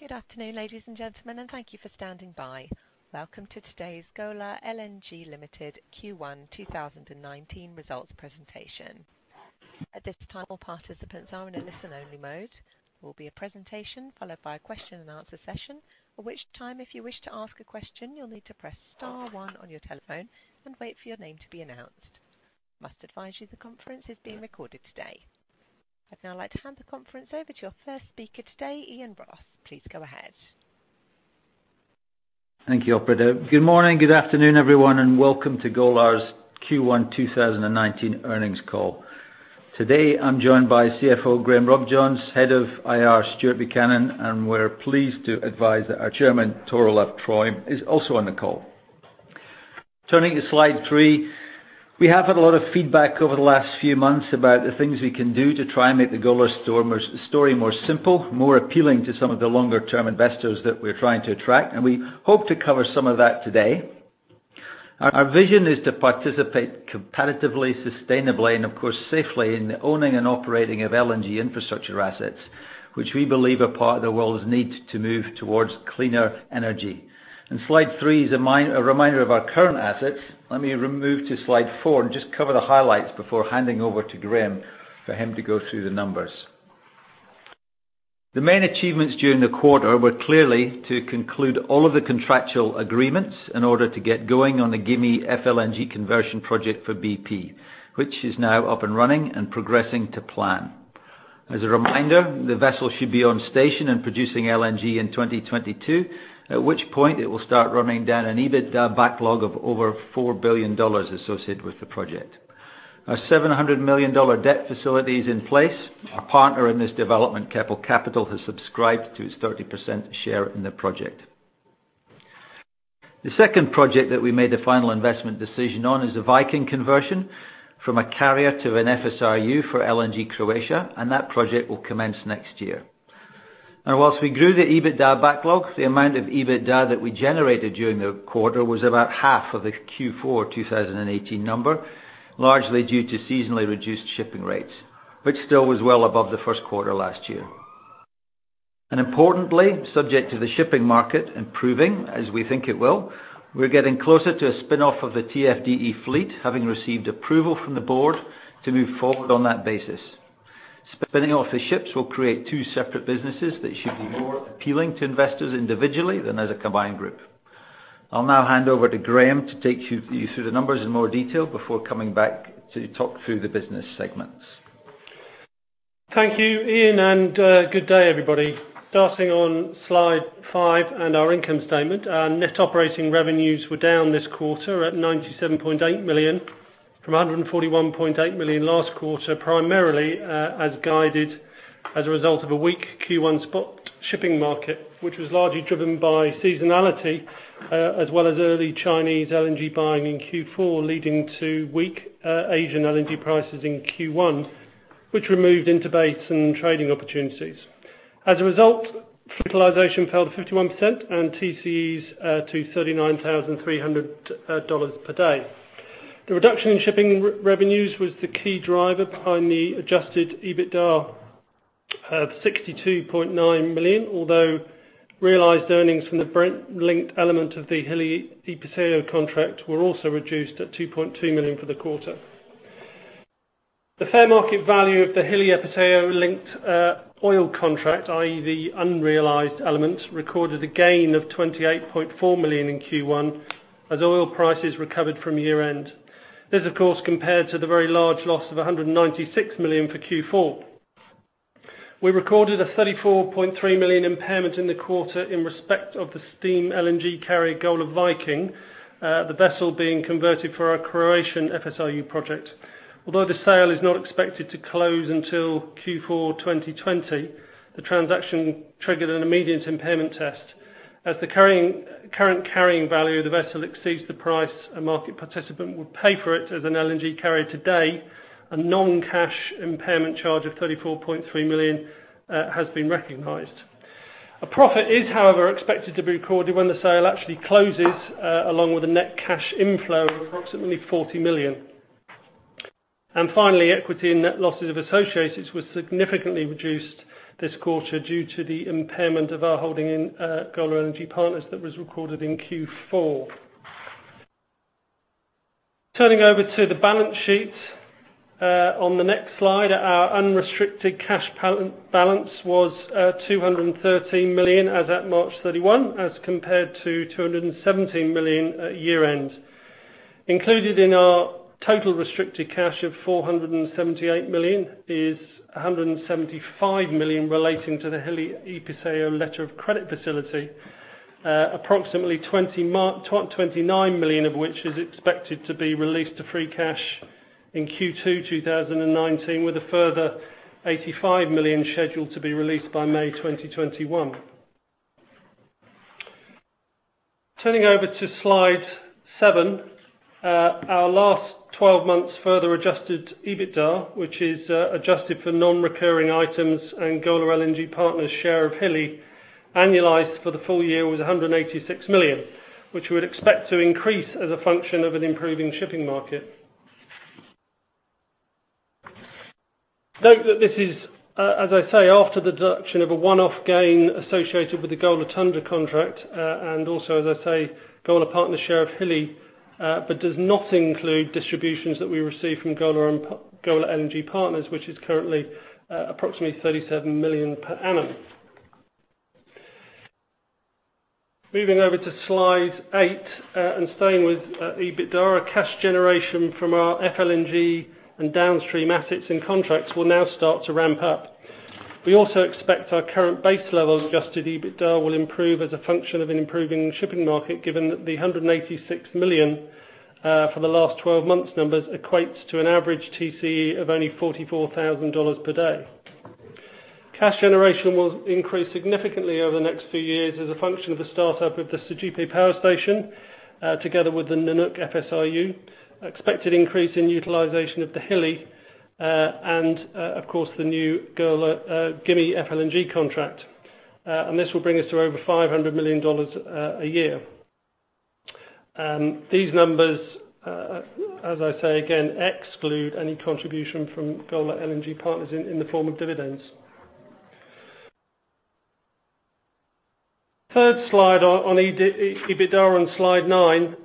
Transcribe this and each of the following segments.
Good afternoon, ladies and gentlemen, and thank you for standing by. Welcome to today's Golar LNG Limited Q1 2019 results presentation. At this time, all participants are in a listen-only mode. There will be a presentation followed by a question and answer session. At which time, if you wish to ask a question, you'll need to press star one on your telephone and wait for your name to be announced. I must advise you the conference is being recorded today. I'd now like to hand the conference over to your first speaker today, Iain Ross. Please go ahead. Thank you, operator. Good morning, good afternoon, everyone, welcome to Golar's Q1 2019 earnings call. Today, I'm joined by CFO Graham Robjohns, Head of IR Stuart Buchanan, and we're pleased to advise that our Chairman, Tor Olav Trøim, is also on the call. Turning to slide three, we have had a lot of feedback over the last few months about the things we can do to try and make the Golar story more simple, more appealing to some of the longer-term investors that we're trying to attract, and we hope to cover some of that today. Our vision is to participate competitively, sustainably, and of course, safely in the owning and operating of LNG infrastructure assets, which we believe are part of the world's need to move towards cleaner energy. Slide three is a reminder of our current assets. Let me move to slide four and just cover the highlights before handing over to Graham for him to go through the numbers. The main achievements during the quarter were clearly to conclude all of the contractual agreements in order to get going on the Gimi FLNG conversion project for BP, which is now up and running and progressing to plan. As a reminder, the vessel should be on station and producing LNG in 2022, at which point it will start running down an EBITDA backlog of over $4 billion associated with the project. Our $700 million debt facility is in place. Our partner in this development, Keppel Capital, has subscribed to its 30% share in the project. The second project that we made a final investment decision on is the Viking conversion from a carrier to an FSRU for LNG Croatia, that project will commence next year. Whilst we grew the EBITDA backlog, the amount of EBITDA that we generated during the quarter was about half of the Q4 2018 number, largely due to seasonally reduced shipping rates, but still was well above the first quarter last year. Importantly, subject to the shipping market improving as we think it will, we're getting closer to a spin-off of the TFDE fleet, having received approval from the board to move forward on that basis. Spinning off the ships will create two separate businesses that should be more appealing to investors individually than as a combined group. I'll now hand over to Graham to take you through the numbers in more detail before coming back to talk through the business segments. Thank you, Iain, and good day, everybody. Starting on slide five and our income statement. Our net operating revenues were down this quarter at $97.8 million, from $141.8 million last quarter, primarily as guided as a result of a weak Q1 spot shipping market, which was largely driven by seasonality, as well as early Chinese LNG buying in Q4, leading to weak Asian LNG prices in Q1, which removed interbase and trading opportunities. As a result, utilization fell to 51% and TCEs to $39,300 per day. The reduction in shipping revenues was the key driver behind the adjusted EBITDA of $62.9 million, although realized earnings from the Brent-linked element of the Hilli Episeyo contract were also reduced at $2.2 million for the quarter. The fair market value of the Hilli Episeyo linked oil contract, i.e., the unrealized element, recorded a gain of $28.4 million in Q1 as oil prices recovered from year-end. This, of course, compared to the very large loss of $196 million for Q4. We recorded a $34.3 million impairment in the quarter in respect of the steam LNG carrier, Golar Viking, the vessel being converted for our Croatian FSRU project. Although the sale is not expected to close until Q4 2020, the transaction triggered an immediate impairment test. As the current carrying value of the vessel exceeds the price a market participant would pay for it as an LNG carrier today, a non-cash impairment charge of $34.3 million has been recognized. A profit is, however, expected to be recorded when the sale actually closes, along with a net cash inflow of approximately $40 million. Finally, equity and net losses of associates was significantly reduced this quarter due to the impairment of our holding in Golar LNG Partners that was recorded in Q4. Turning over to the balance sheet on the next slide, our unrestricted cash balance was $213 million as at March 31, as compared to $217 million at year-end. Included in our total restricted cash of $478 million is $175 million relating to the Hilli Episeyo letter of credit facility, approximately $29 million of which is expected to be released to free cash in Q2 2019, with a further $85 million scheduled to be released by May 2021. Turning over to slide seven, our last 12 months further adjusted EBITDA, which is adjusted for non-recurring items and Golar LNG Partners share of Hilli, annualized for the full year was $186 million, which we would expect to increase as a function of an improving shipping market. Note that this is, as I say, after the deduction of a one-off gain associated with the Golar Tundra contract, and also, as I say, Golar Partners share of Hilli, but does not include distributions that we receive from Golar and Golar LNG Partners, which is currently approximately $37 million per annum. Moving over to slide eight, staying with EBITDA, cash generation from our FLNG and downstream assets and contracts will now start to ramp up. We also expect our current base level adjusted EBITDA will improve as a function of an improving shipping market, given that the $186 million for the last 12 months numbers equates to an average TCE of only $44,000 per day. Cash generation will increase significantly over the next few years as a function of the start-up of the Sergipe Power Station, together with the Nanook FSRU, expected increase in utilization of the Hilli, and of course, the new Gimi FLNG contract. This will bring us to over $500 million a year. These numbers, as I say again, exclude any contribution from Golar LNG Partners in the form of dividends. Third slide on EBITDA on slide nine,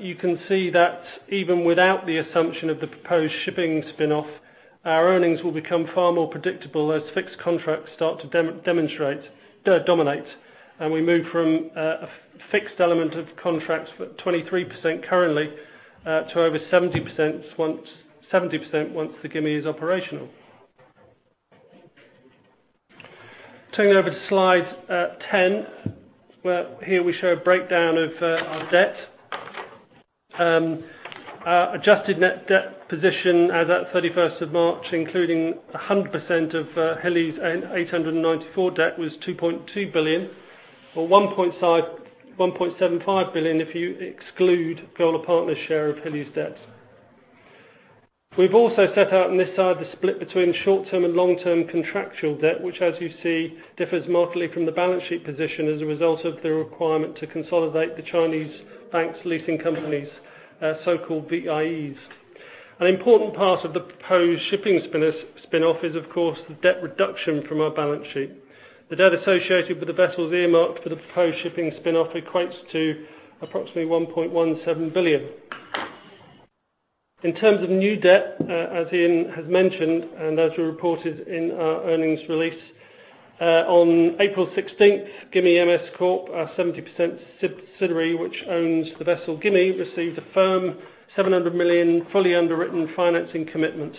you can see that even without the assumption of the proposed shipping spin-off, our earnings will become far more predictable as fixed contracts start to dominate, and we move from a fixed element of contracts for 23% currently, to over 70% once the Gimi is operational. Turning over to slide 10, where here we show a breakdown of our debt. Adjusted net debt position as at 31st of March including 100% of Hilli's $894 debt was $2.2 billion, or $1.75 billion if you exclude Golar Partners share of Hilli's debt. We've also set out on this side the split between short-term and long-term contractual debt, which as you see, differs markedly from the balance sheet position as a result of the requirement to consolidate the Chinese banks leasing companies' so-called VIEs. An important part of the proposed shipping spin-off is of course the debt reduction from our balance sheet. The debt associated with the vessels earmarked for the proposed shipping spin-off equates to approximately $1.17 billion. In terms of new debt, as Iain has mentioned, and as we reported in our earnings release on April 16th, Gimi MS Corp, our 70% subsidiary which owns the vessel Gimi, received a firm $700 million fully underwritten financing commitment.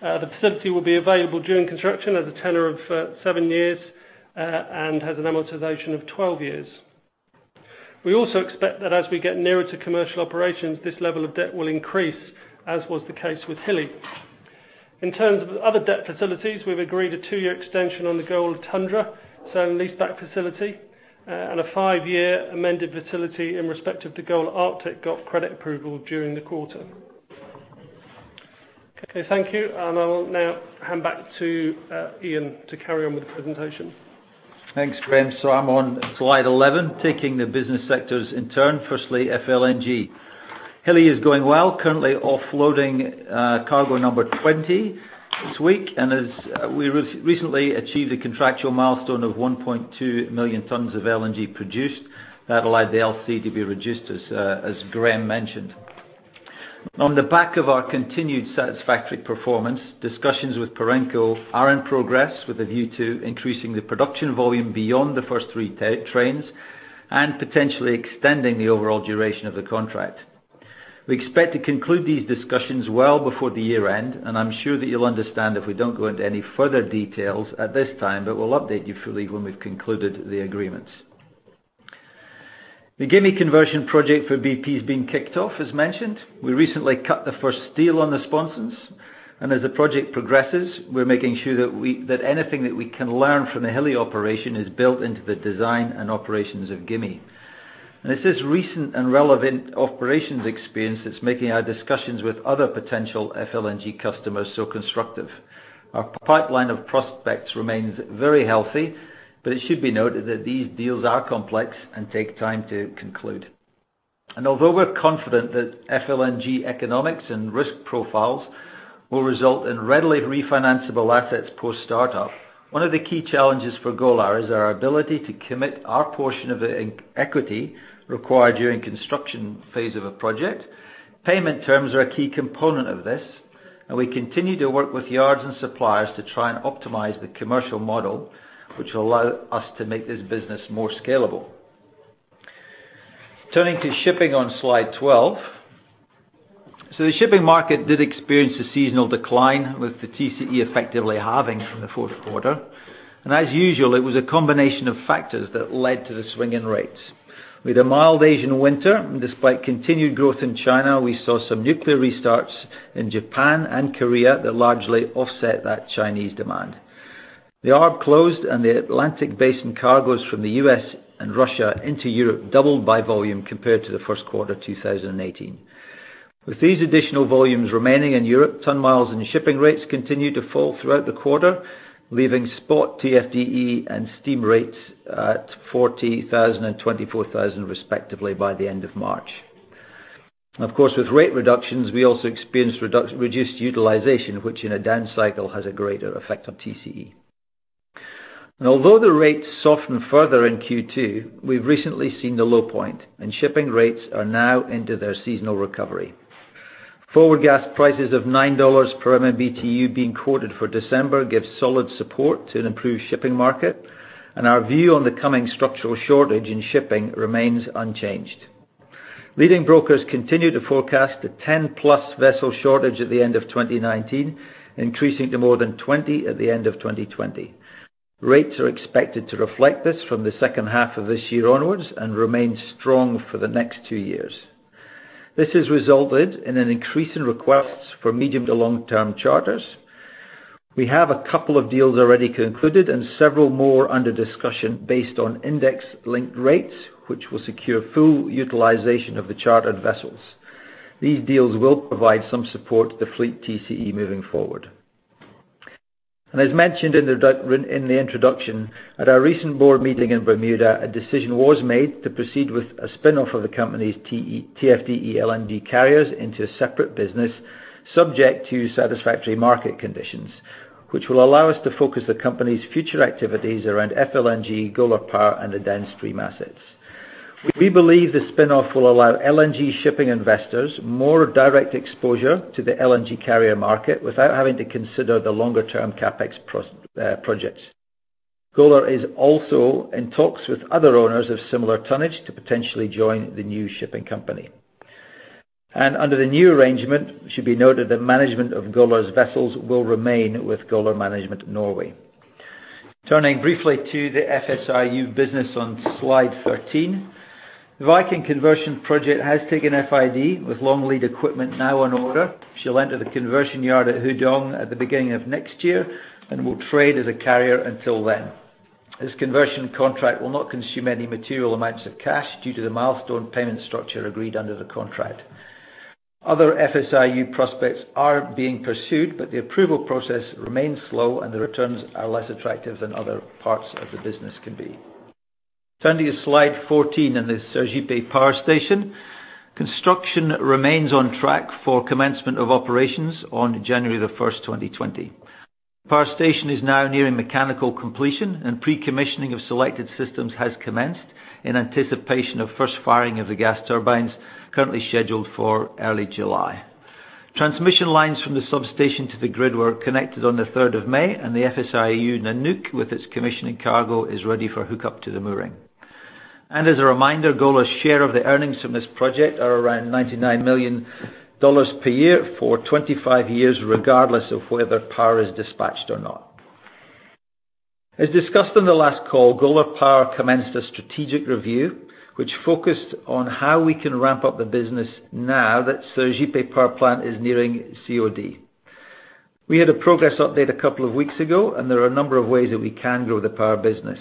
The facility will be available during construction at a tenor of seven years, and has an amortization of 12 years. We also expect that as we get nearer to commercial operations, this level of debt will increase, as was the case with Hilli. In terms of other debt facilities, we've agreed a two-year extension on the Golar Tundra sale and leaseback facility, and a five-year amended facility in respect of the Golar Arctic got credit approval during the quarter. Okay, thank you, and I will now hand back to Iain to carry on with the presentation. Thanks, Graham. I'm on slide 11, taking the business sectors in turn. Firstly, FLNG. Hilli is going well, currently offloading cargo number 20 this week. As we recently achieved a contractual milestone of 1.2 million tons of LNG produced, that allowed the LC to be reduced as Graeme mentioned. On the back of our continued satisfactory performance, discussions with Perenco are in progress with a view to increasing the production volume beyond the first three trains and potentially extending the overall duration of the contract. We expect to conclude these discussions well before the year-end, I'm sure that you'll understand if we don't go into any further details at this time, but we'll update you fully when we've concluded the agreements. The Gimi conversion project for BP has been kicked off, as mentioned. We recently cut the first steel on the sponsons, as the project progresses, we're making sure that anything that we can learn from the Hilli operation is built into the design and operations of Gimi. It is recent and relevant operations experience that's making our discussions with other potential FLNG customers so constructive. Our pipeline of prospects remains very healthy, but it should be noted that these deals are complex and take time to conclude. Although we're confident that FLNG economics and risk profiles will result in readily refinanceable assets post-startup, one of the key challenges for Golar is our ability to commit our portion of the equity required during construction phase of a project. Payment terms are a key component of this, we continue to work with yards and suppliers to try and optimize the commercial model, which will allow us to make this business more scalable. Turning to shipping on slide 12. The shipping market did experience a seasonal decline, with the TCE effectively halving from the fourth quarter. As usual, it was a combination of factors that led to the swing in rates. With a mild Asian winter, despite continued growth in China, we saw some nuclear restarts in Japan and Korea that largely offset that Chinese demand. The Arb closed the Atlantic-based cargoes from the U.S. and Russia into Europe doubled by volume compared to the first quarter 2018. With these additional volumes remaining in Europe, ton miles and shipping rates continued to fall throughout the quarter, leaving spot TFDE and steam rates at 40,000 and 24,000 respectively by the end of March. Of course, with rate reductions, we also experienced reduced utilization, which in a down cycle has a greater effect on TCE. Although the rates softened further in Q2, we've recently seen the low point, shipping rates are now into their seasonal recovery. Forward gas prices of $9 per MMBtu being quoted for December gives solid support to an improved shipping market, our view on the coming structural shortage in shipping remains unchanged. Leading brokers continue to forecast a 10-plus vessel shortage at the end of 2019, increasing to more than 20 at the end of 2020. Rates are expected to reflect this from the second half of this year onwards and remain strong for the next two years. This has resulted in an increase in requests for medium to long-term charters. We have a couple of deals already concluded and several more under discussion based on index-linked rates, which will secure full utilization of the chartered vessels. These deals will provide some support to fleet TCE moving forward. As mentioned in the introduction, at our recent board meeting in Bermuda, a decision was made to proceed with a spin-off of the company's TFDE LNG carriers into a separate business, subject to satisfactory market conditions, which will allow us to focus the company's future activities around FLNG, Golar Power, and the downstream assets. We believe the spin-off will allow LNG shipping investors more direct exposure to the LNG carrier market without having to consider the longer-term CapEx projects. Golar is also in talks with other owners of similar tonnage to potentially join the new shipping company. Under the new arrangement, it should be noted that management of Golar's vessels will remain with Golar Management Norway. Turning briefly to the FSRU business on slide 13. The Golar Viking conversion project has taken FID, with long lead equipment now on order. She'll enter the conversion yard at Hudong at the beginning of next year and will trade as a carrier until then. This conversion contract will not consume any material amounts of cash due to the milestone payment structure agreed under the contract. Other FSRU prospects are being pursued, but the approval process remains slow, and the returns are less attractive than other parts of the business can be. Turning to slide 14 and the Sergipe Power Station. Construction remains on track for commencement of operations on January 1st, 2020. The power station is now nearing mechanical completion, and pre-commissioning of selected systems has commenced in anticipation of first firing of the gas turbines currently scheduled for early July. Transmission lines from the substation to the grid were connected on the 3rd of May, and the FSRU Golar Nanook, with its commissioning cargo, is ready for hookup to the mooring. As a reminder, Golar's share of the earnings from this project are around $99 million per year for 25 years, regardless of whether power is dispatched or not. As discussed on the last call, Golar Power commenced a strategic review, which focused on how we can ramp up the business now that Sergipe Power Plant is nearing COD. We had a progress update a couple of weeks ago, and there are a number of ways that we can grow the power business.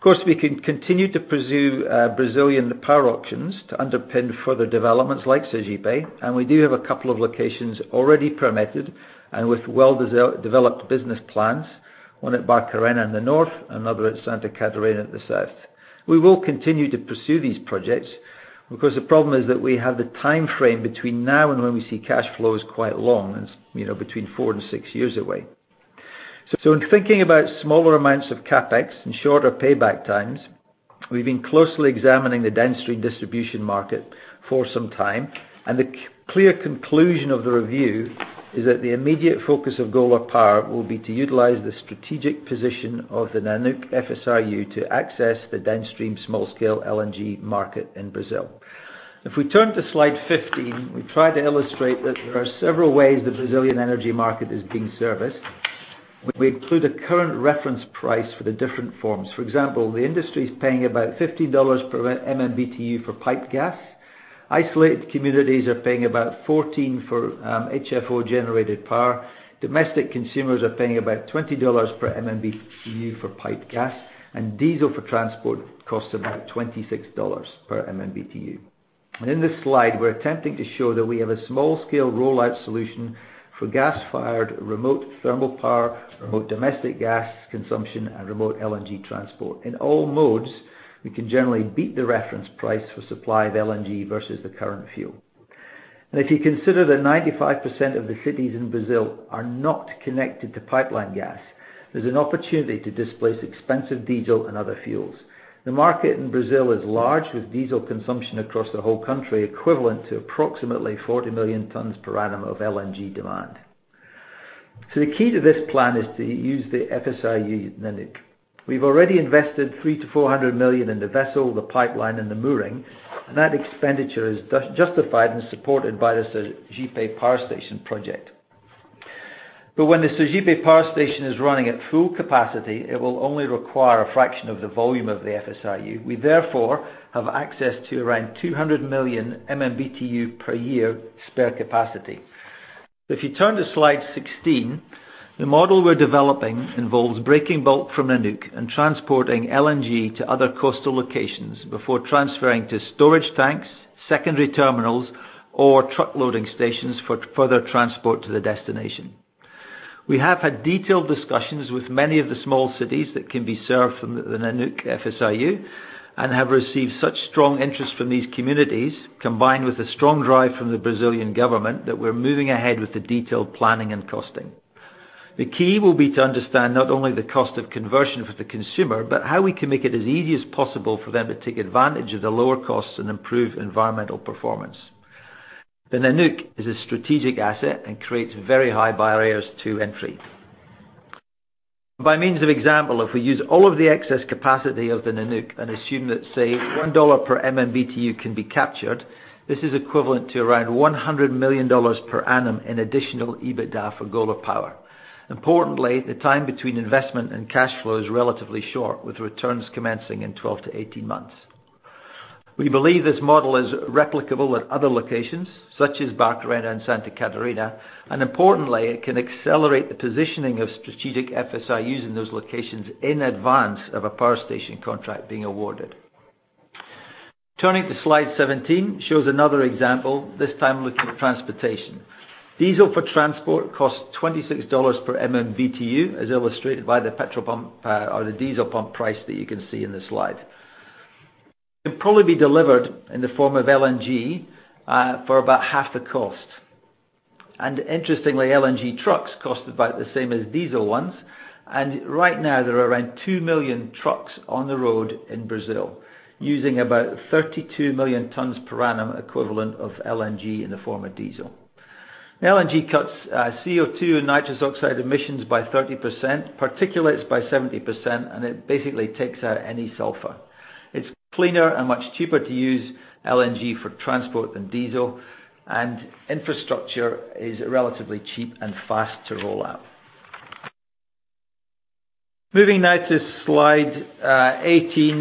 Of course, we can continue to pursue Brazilian power options to underpin further developments like Sergipe, and we do have a couple of locations already permitted and with well-developed business plans, one at Barcarena in the north, another at Santa Catarina at the south. We will continue to pursue these projects because the problem is that we have the time frame between now and when we see cash flow is quite long. It's between four and six years away. In thinking about smaller amounts of CapEx and shorter payback times, we've been closely examining the downstream distribution market for some time, and the clear conclusion of the review is that the immediate focus of Golar Power will be to utilize the strategic position of the Nanook FSRU to access the downstream small-scale LNG market in Brazil. If we turn to slide 15, we try to illustrate that there are several ways the Brazilian energy market is being serviced. We include a current reference price for the different forms. For example, the industry is paying about $50 per MMBtu for piped gas. Isolated communities are paying about $14 for HFO-generated power. Domestic consumers are paying about $20 per MMBtu for piped gas. Diesel for transport costs about $26 per MMBtu. In this slide, we're attempting to show that we have a small-scale rollout solution for gas-fired remote thermal power, remote domestic gas consumption, and remote LNG transport. In all modes, we can generally beat the reference price for supply of LNG versus the current fuel. If you consider that 95% of the cities in Brazil are not connected to pipeline gas, there's an opportunity to displace expensive diesel and other fuels. The market in Brazil is large, with diesel consumption across the whole country equivalent to approximately 40 million tons per annum of LNG demand. The key to this plan is to use the FSRU Nanook. We've already invested $300 million to $400 million in the vessel, the pipeline, and the mooring, and that expenditure is justified and supported by the Sergipe Power Station project. When the Sergipe Power Station is running at full capacity, it will only require a fraction of the volume of the FSRU. We therefore have access to around 200 million MMBtu per year spare capacity. If you turn to slide 16, the model we're developing involves breaking bulk from Nanook and transporting LNG to other coastal locations before transferring to storage tanks, secondary terminals, or truck loading stations for further transport to the destination. We have had detailed discussions with many of the small cities that can be served from the Nanook FSRU, and have received such strong interest from these communities, combined with the strong drive from the Brazilian government, that we're moving ahead with the detailed planning and costing. The key will be to understand not only the cost of conversion for the consumer, but how we can make it as easy as possible for them to take advantage of the lower costs and improve environmental performance. The Nanook is a strategic asset and creates very high barriers to entry. By means of example, if we use all of the excess capacity of the Nanook and assume that, say, $1 per MMBtu can be captured, this is equivalent to around $100 million per annum in additional EBITDA for Golar Power. Importantly, the time between investment and cash flow is relatively short, with returns commencing in 12 to 18 months. We believe this model is replicable at other locations, such as Barcarena and Santa Catarina, and importantly, it can accelerate the positioning of strategic FSRUs in those locations in advance of a power station contract being awarded. Turning to Slide 17, shows another example, this time looking at transportation. Diesel for transport costs $26 per MMBtu, as illustrated by the petrol pump or the diesel pump price that you can see in the slide. It'd probably be delivered in the form of LNG for about half the cost. Interestingly, LNG trucks cost about the same as diesel ones, and right now there are around 2 million trucks on the road in Brazil, using about 32 million tons per annum equivalent of LNG in the form of diesel. LNG cuts CO2 and nitrous oxide emissions by 30%, particulates by 70%, and it basically takes out any sulfur. It's cleaner and much cheaper to use LNG for transport than diesel, and infrastructure is relatively cheap and fast to roll out. Moving now to Slide 18,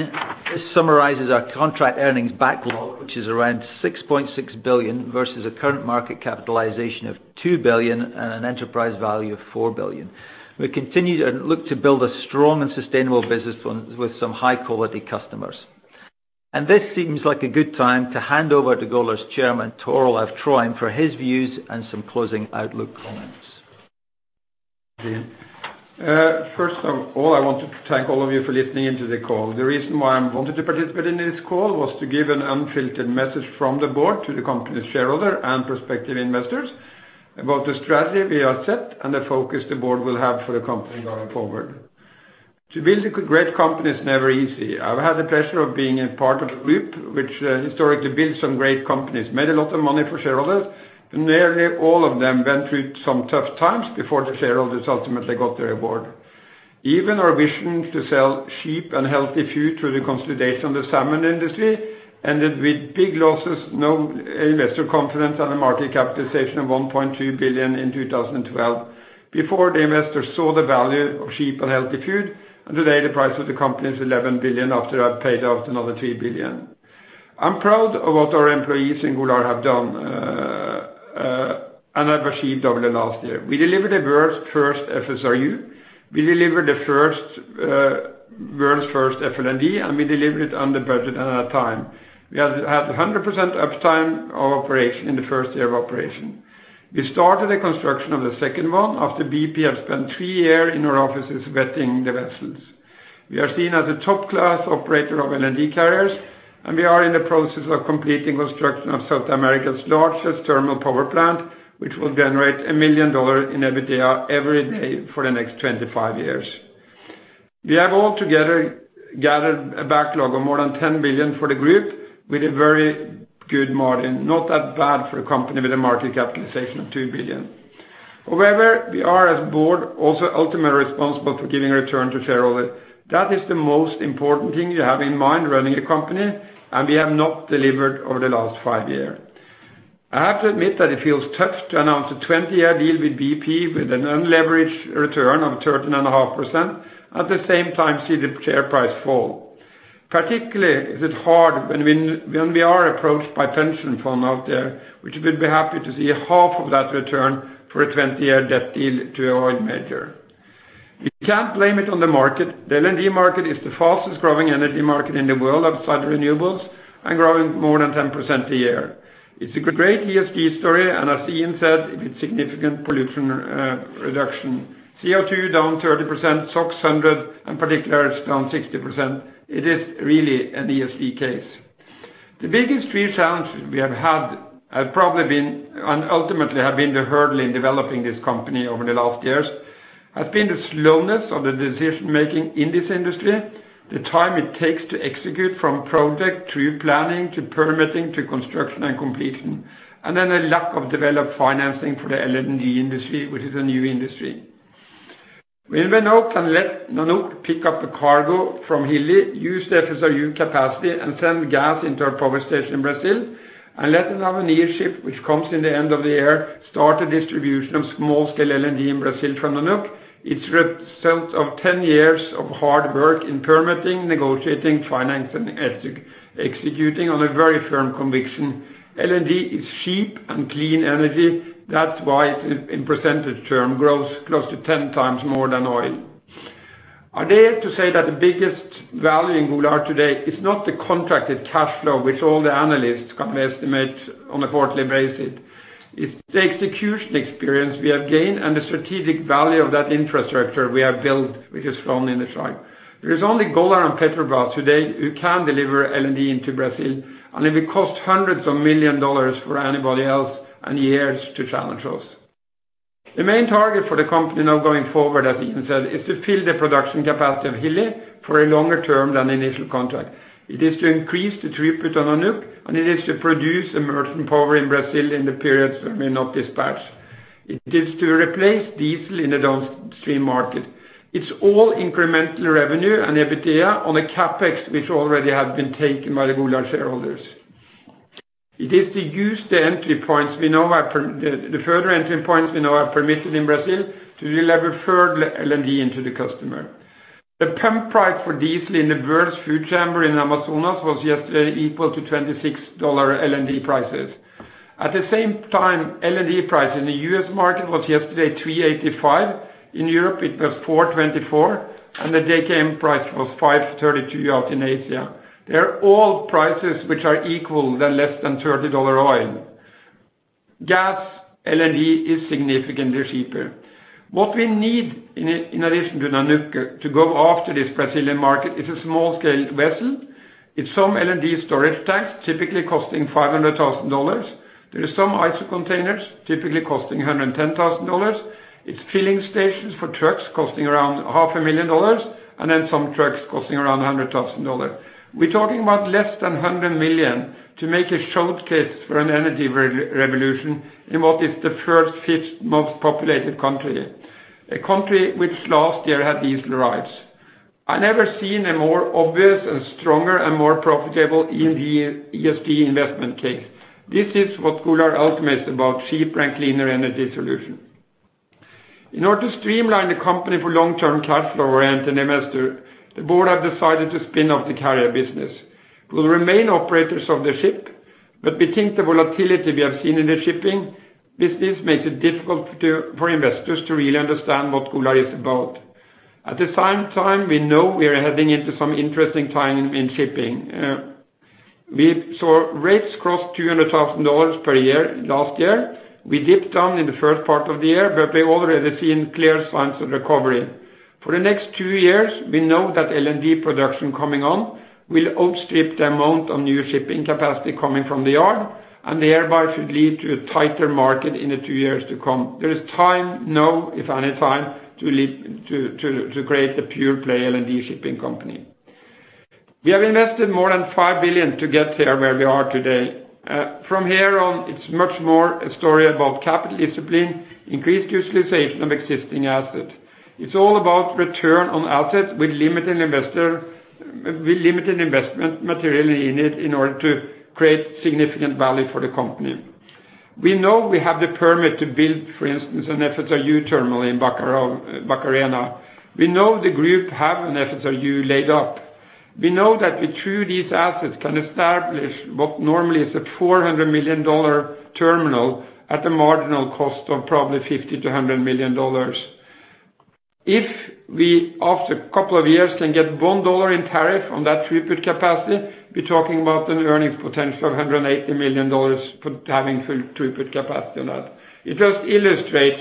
this summarizes our contract earnings backlog, which is around $6.6 billion versus a current market capitalization of $2 billion and an enterprise value of $4 billion. We continue to look to build a strong and sustainable business with some high-quality customers. This seems like a good time to hand over to Golar's chairman, Tor Olav Trøim, for his views and some closing outlook comments. Thanks, Iain. First of all, I want to thank all of you for listening in to the call. The reason why I wanted to participate in this call was to give an unfiltered message from the board to the company shareholder and prospective investors about the strategy we have set and the focus the board will have for the company going forward. To build a great company is never easy. I've had the pleasure of being a part of Group, which historically built some great companies, made a lot of money for shareholders, and nearly all of them went through some tough times before the shareholders ultimately got the reward. Even our vision to sell cheap and healthy food through the consolidation of the salmon industry ended with big losses, no investor confidence, and a market capitalization of $1.2 billion in 2012, before the investors saw the value of cheap and healthy food, and today the price of the company is $11 billion after I've paid out another $3 billion. I'm proud of what our employees in Golar have done and have achieved over the last year. We delivered the world's first FSRU. We delivered the world's first FLNG, and we delivered under budget and on time. We have had 100% uptime of operation in the first year of operation. We started the construction of the second one after BP had spent 3 years in our offices vetting the vessels. We are seen as a top-class operator of LNG carriers, we are in the process of completing construction of South America's largest thermal power plant, which will generate $1 million in EBITDA every day for the next 25 years. We have altogether gathered a backlog of more than $10 billion for the group with a very good margin. Not that bad for a company with a market capitalization of $2 billion. We are as board also ultimately responsible for giving return to shareholders. That is the most important thing you have in mind running a company, and we have not delivered over the last five years. I have to admit that it feels tough to announce a 20-year deal with BP with an unleveraged return of 13.5% at the same time see the share price fall. Particularly is it hard when we are approached by pension funds out there which would be happy to see half of that return for a 20-year debt deal to an oil major. You can't blame it on the market. The LNG market is the fastest-growing energy market in the world outside of renewables and growing more than 10% a year. It's a great ESG story, and as Iain said, with significant pollution reduction, CO2 down 30%, SOx 100, and particulates down 60%. It is really an ESG case. The biggest three challenges we have had and ultimately have been the hurdle in developing this company over the last years has been the slowness of the decision-making in this industry, the time it takes to execute from project through planning to permitting to construction and completion, a lack of developed financing for the LNG industry, which is a new industry. We now can let Nanook pick up the cargo from Hilli, use the FSRU capacity, and send gas into our power station in Brazil and let another near ship, which comes in the end of the year, start the distribution of small-scale LNG in Brazil from Nanook. It's result of 10 years of hard work in permitting, negotiating, financing, executing on a very firm conviction. LNG is cheap and clean energy. That's why it, in percentage term, grows close to 10 times more than oil. I dare to say that the biggest value in Golar today is not the contracted cash flow, which all the analysts can estimate on a quarterly basis. It's the execution experience we have gained and the strategic value of that infrastructure we have built, which is strong in the tribe. There is only Golar and Petrobras today who can deliver LNG into Brazil, and it will cost hundreds of million dollars for anybody else and years to challenge us. The main target for the company now going forward, as Iain said, is to fill the production capacity of Hilli for a longer term than the initial contract. It is to increase the throughput on Nanook, and it is to produce merchant power in Brazil in the periods that we're not dispatched. It is to replace diesel in the downstream market. It's all incremental revenue and EBITDA on a CapEx which already has been taken by the Golar shareholders. It is to use the further entry points we know are permitted in Brazil to deliver further LNG into the customer. The pump price for diesel in the world's food chamber in Amazonas was yesterday equal to $26 LNG prices. At the same time, LNG price in the U.S. market was yesterday $3.85. In Europe, it was $4.24, and the JKM price was $5.32 out in Asia. They are all prices which are equal to less than $30 oil. Gas LNG is significantly cheaper. What we need in addition to Nanook to go after this Brazilian market is a small-scale vessel. It's some LNG storage tanks, typically costing $500,000. There is some ISO containers, typically costing $110,000. It's filling stations for trucks costing around half a million dollars. Then some trucks costing around $100,000. We're talking about less than $100 million to make a showcase for an energy revolution in what is the fifth-most populated country, a country which last year had diesel riots. I've never seen a more obvious and stronger and more profitable ESG investment case. This is what Golar ultimate is about, cheap and cleaner energy solution. In order to streamline the company for long-term cash flow return on investor, the board have decided to spin off the carrier business. We'll remain operators of the ship, but we think the volatility we have seen in the shipping business makes it difficult for investors to really understand what Golar is about. At the same time, we know we are heading into some interesting time in shipping. We saw rates cross $200,000 per year last year. We dipped down in the first part of the year, but we've already seen clear signs of recovery. For the next two years, we know that LNG production coming on will outstrip the amount of new shipping capacity coming from the yard and thereby should lead to a tighter market in the two years to come. There is time now, if any time, to create a pure-play LNG shipping company. We have invested more than $5 billion to get here where we are today. From here on, it's much more a story about capital discipline, increased utilization of existing assets. It's all about return on assets with limited investment materially in it in order to create significant value for the company. We know we have the permit to build, for instance, an FSRU terminal in Barcarena. We know the group have an FSRU laid up. We know that we, through these assets, can establish what normally is a $400 million terminal at a marginal cost of probably $50 million-$100 million. If we, after a couple of years, can get $1 in tariff on that throughput capacity, we're talking about an earnings potential of $180 million for having full throughput capacity on that. It just illustrates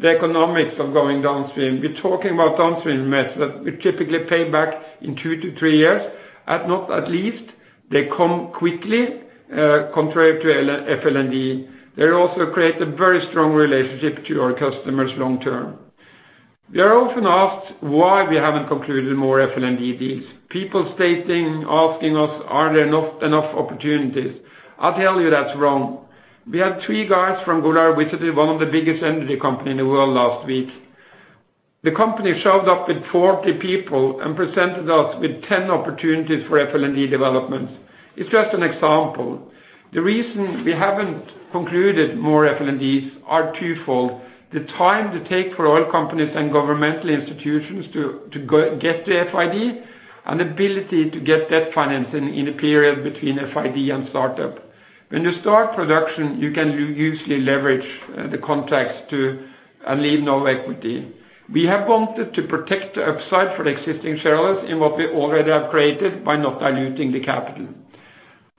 the economics of going downstream. We're talking about downstream methods that we typically pay back in two to three years. Not at least they come quickly, contrary to FLNG. They also create a very strong relationship to our customers long term. We are often asked why we haven't concluded more FLNG deals. People stating, asking us, are there enough opportunities? I'll tell you that's wrong. We had three guys from Golar visiting one of the biggest energy company in the world last week. The company showed up with 40 people and presented us with 10 opportunities for FLNG developments. It's just an example. The reason we haven't concluded more FLNGs are twofold: the time to take for oil companies and governmental institutions to get to FID, and ability to get debt financing in the period between FID and startup. When you start production, you can usually leverage the contracts to and leave no equity. We have wanted to protect the upside for the existing shareholders in what we already have created by not diluting the capital.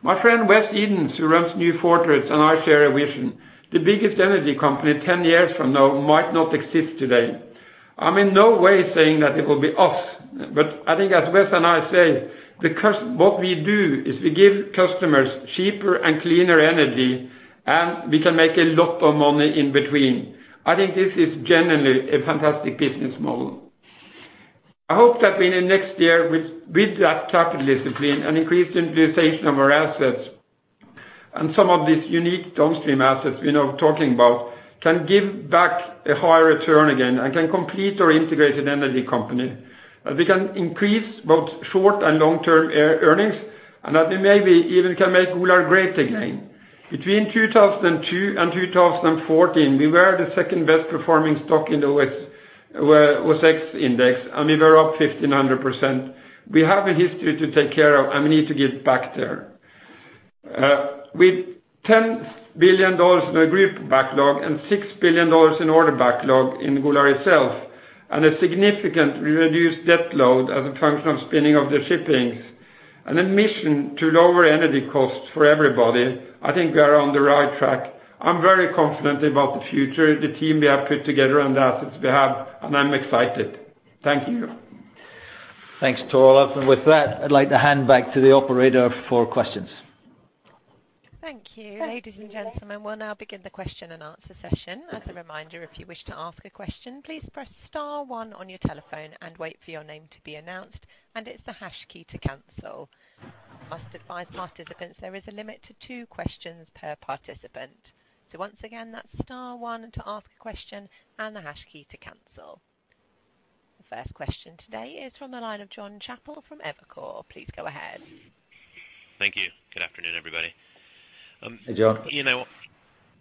My friend Wes Edens, who runs New Fortress, and I share a vision. The biggest energy company 10 years from now might not exist today. I'm in no way saying that it will be us, but I think as Wes and I say, what we do is we give customers cheaper and cleaner energy, and we can make a lot of money in between. I think this is generally a fantastic business model. I hope that we, next year, with that capital discipline and increased utilization of our assets and some of these unique downstream assets we know talking about can give back a higher return again and can complete our integrated energy company. That we can increase both short- and long-term earnings, and that we maybe even can make Golar great again. Between 2002 and 2014, we were the second-best performing stock in the OBX index, and we were up 1,500%. We have a history to take care of, and we need to get back there. With $10 billion in the group backlog and $6 billion in order backlog in Golar itself, and a significant reduced debt load as a function of spinning of the shipping, and a mission to lower energy costs for everybody, I think we are on the right track. I'm very confident about the future, the team we have put together, and the assets we have, and I'm excited. Thank you. Thanks, Tor Olav. With that, I'd like to hand back to the operator for questions. Thank you. Ladies and gentlemen, we'll now begin the question and answer session. As a reminder, if you wish to ask a question, please press star one on your telephone and wait for your name to be announced, and it's the hash key to cancel. Must advise participants there is a limit to two questions per participant. Once again, that's star one to ask a question and the hash key to cancel. The first question today is from the line of Jonathan Chappell from Evercore. Please go ahead. Thank you. Good afternoon, everybody. Hey, John.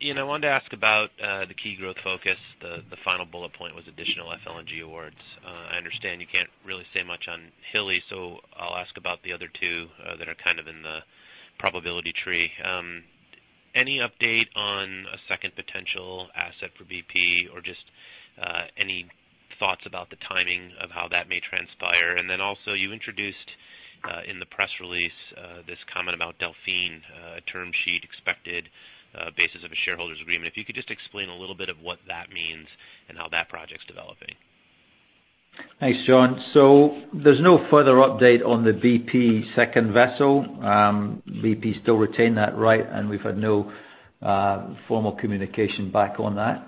Iain, I wanted to ask about the key growth focus. The final bullet point was additional FLNG awards. I understand you can't really say much on Hilli, so I'll ask about the other two that are kind of in the probability tree. Any update on a second potential asset for BP or just any thoughts about the timing of how that may transpire? Also you introduced, in the press release, this comment about Delfin, a term sheet expected basis of a shareholders' agreement. If you could just explain a little bit of what that means and how that project's developing. Thanks, John. There's no further update on the BP second vessel. BP still retain that right, and we've had no formal communication back on that.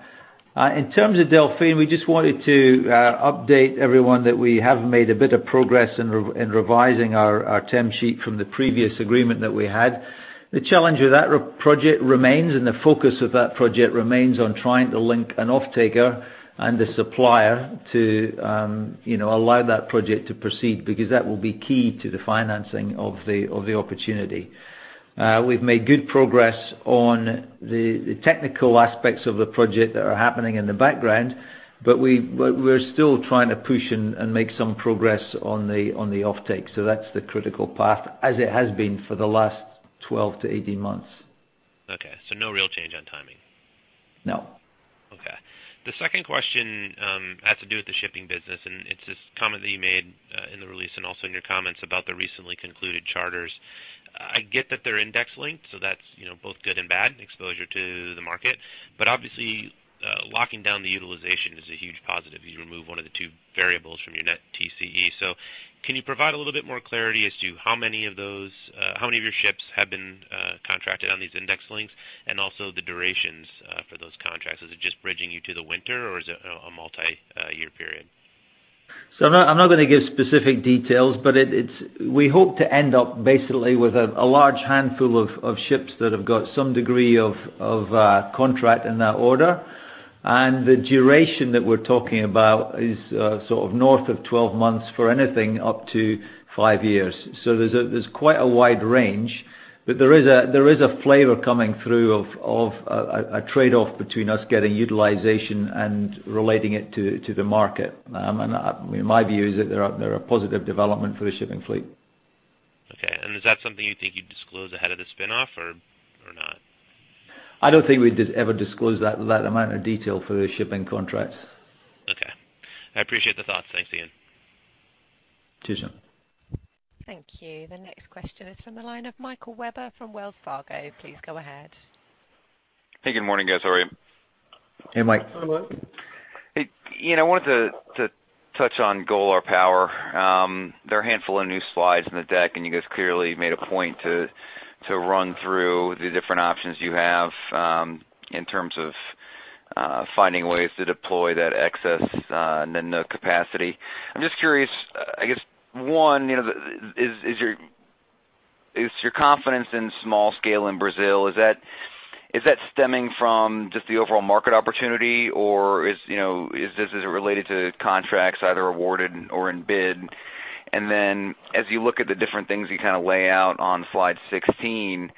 In terms of Delfin, we just wanted to update everyone that we have made a bit of progress in revising our term sheet from the previous agreement that we had. The challenge of that project remains, and the focus of that project remains on trying to link an offtaker and the supplier to allow that project to proceed, because that will be key to the financing of the opportunity. We've made good progress on the technical aspects of the project that are happening in the background. We're still trying to push and make some progress on the offtake. That's the critical path as it has been for the last 12 to 18 months. Okay, no real change on timing? No. Okay. The second question has to do with the shipping business, and it's this comment that you made in the release and also in your comments about the recently concluded charters. I get that they're index linked, that's both good and bad, exposure to the market. Obviously, locking down the utilization is a huge positive. You remove one of the two variables from your net TCE. Can you provide a little bit more clarity as to how many of your ships have been contracted on these index links and also the durations for those contracts? Is it just bridging you to the winter or is it a multi-year period? I'm not going to give specific details, we hope to end up basically with a large handful of ships that have got some degree of contract in that order. The duration that we're talking about is sort of north of 12 months for anything up to five years. There's quite a wide range. There is a flavor coming through of a trade-off between us getting utilization and relating it to the market. My view is that they're a positive development for the shipping fleet. Okay. Is that something you think you'd disclose ahead of the spin-off or not? I don't think we'd ever disclose that amount of detail for the shipping contracts. Okay. I appreciate the thoughts. Thanks, Iain. Cheers, John. Thank you. The next question is from the line of Michael Webber from Wells Fargo. Please go ahead. Hey, good morning, guys. How are you? Hey, Mike. Hi, Mike. Iain, I wanted to touch on Golar Power. There are a handful of new slides in the deck. You guys clearly made a point to run through the different options you have in terms of finding ways to deploy that excess and then the capacity. I'm just curious, I guess one, is your confidence in small scale in Brazil, is that stemming from just the overall market opportunity or is this related to contracts either awarded or in bid? As you look at the different things you lay out on slide 16,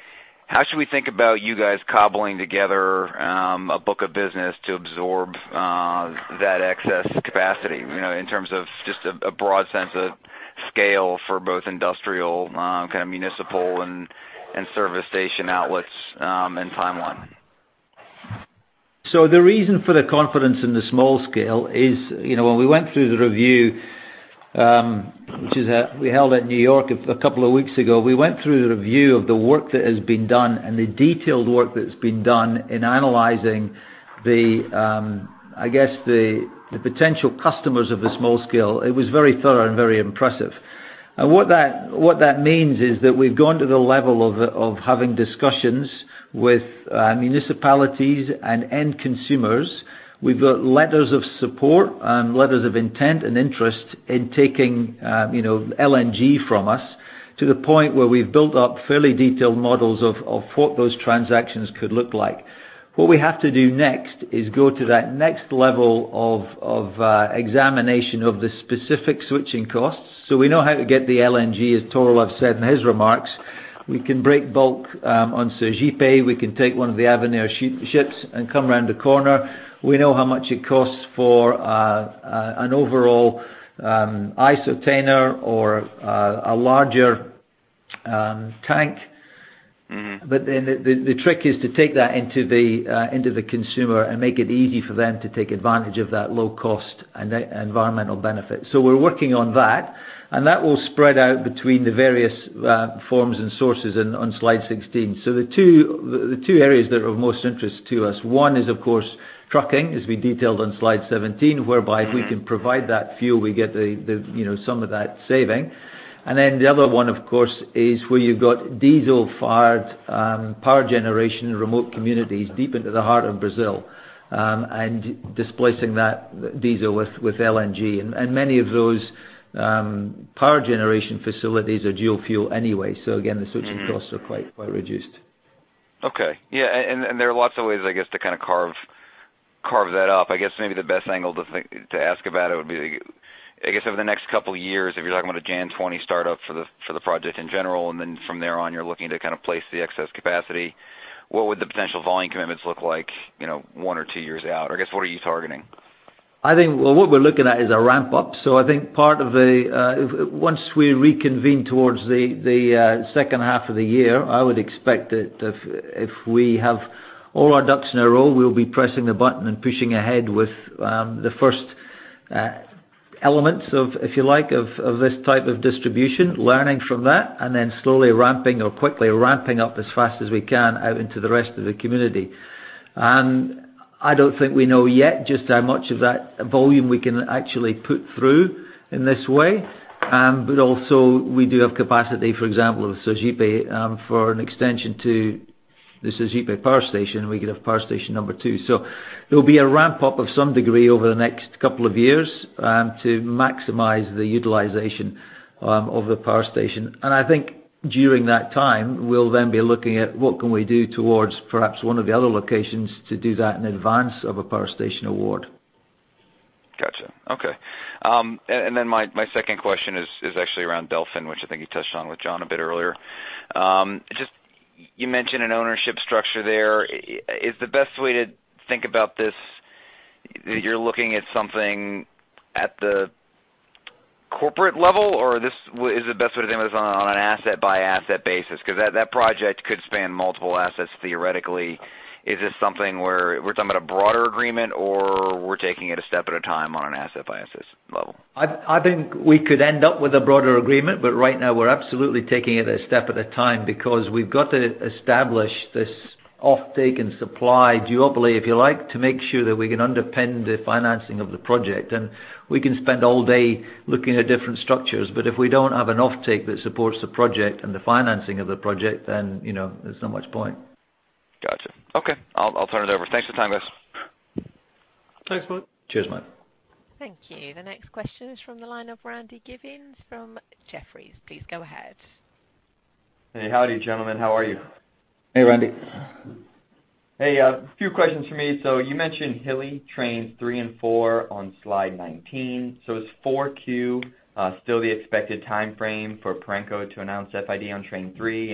how should we think about you guys cobbling together a book of business to absorb that excess capacity, in terms of just a broad sense of scale for both industrial, municipal, and service station outlets, and timeline? The reason for the confidence in the small scale is when we went through the review, which we held at New York a couple of weeks ago. We went through the review of the work that has been done and the detailed work that's been done in analyzing the potential customers of the small scale. It was very thorough and very impressive. What that means is that we've gone to the level of having discussions with municipalities and end consumers. We've got letters of support and letters of intent and interest in taking LNG from us to the point where we've built up fairly detailed models of what those transactions could look like. What we have to do next is go to that next level of examination of the specific switching costs. We know how to get the LNG, as Tor Olav said in his remarks. We can break bulk on Sergipe. We can take one of the Avenir ships and come around the corner. We know how much it costs for an overall isotainer or a larger tank. The trick is to take that into the consumer and make it easy for them to take advantage of that low cost and environmental benefit. We're working on that, and that will spread out between the various forms and sources on slide 16. The two areas that are of most interest to us, one is, of course, trucking, as we detailed on slide 17, whereby- If we can provide that fuel, we get some of that saving. The other one, of course, is where you've got diesel-fired power generation in remote communities deep into the heart of Brazil, displacing that diesel with LNG. Many of those power generation facilities are dual fuel anyway. Again, the switching- costs are quite reduced. Okay. Yeah, there are lots of ways, I guess, to carve that up. I guess maybe the best angle to ask about it would be, I guess, over the next couple of years, if you're talking about a Jan 2020 startup for the project in general, from there on, you're looking to place the excess capacity, what would the potential volume commitments look like one or two years out? I guess, what are you targeting? I think what we're looking at is a ramp-up. I think once we reconvene towards the second half of the year, I would expect that if we have all our ducks in a row, we'll be pressing the button and pushing ahead with the first elements, if you like, of this type of distribution, learning from that, slowly ramping or quickly ramping up as fast as we can out into the rest of the community. I don't think we know yet just how much of that volume we can actually put through in this way. Also we do have capacity, for example, of Sergipe, for an extension to the Sergipe power station, we could have power station number 2. There'll be a ramp-up of some degree over the next couple of years to maximize the utilization of the power station. I think during that time, we'll then be looking at what can we do towards perhaps one of the other locations to do that in advance of a power station award. Got you. Okay. My second question is actually around Delfin, which I think you touched on with John a bit earlier. You mentioned an ownership structure there. Is the best way to think about this, that you're looking at something at the corporate level? Or is the best way to think of this on an asset-by-asset basis? Because that project could span multiple assets theoretically. Is this something where we're talking about a broader agreement, or we're taking it a step at a time on an asset-by-asset level? I think we could end up with a broader agreement, right now we're absolutely taking it a step at a time because we've got to establish this offtake and supply duopoly, if you like, to make sure that we can underpin the financing of the project. We can spend all day looking at different structures, if we don't have an offtake that supports the project and the financing of the project, there's not much point. Got you. Okay, I'll turn it over. Thanks for the time, guys. Thanks, mate. Cheers, mate. Thank you. The next question is from the line of Randy Giveans from Jefferies. Please go ahead. Hey. Howdy, gentlemen. How are you? Hey, Randy. Hey. A few questions from me. You mentioned Hilli trains three and four on slide 19. Is 4Q still the expected timeframe for Perenco to announce FID on train three?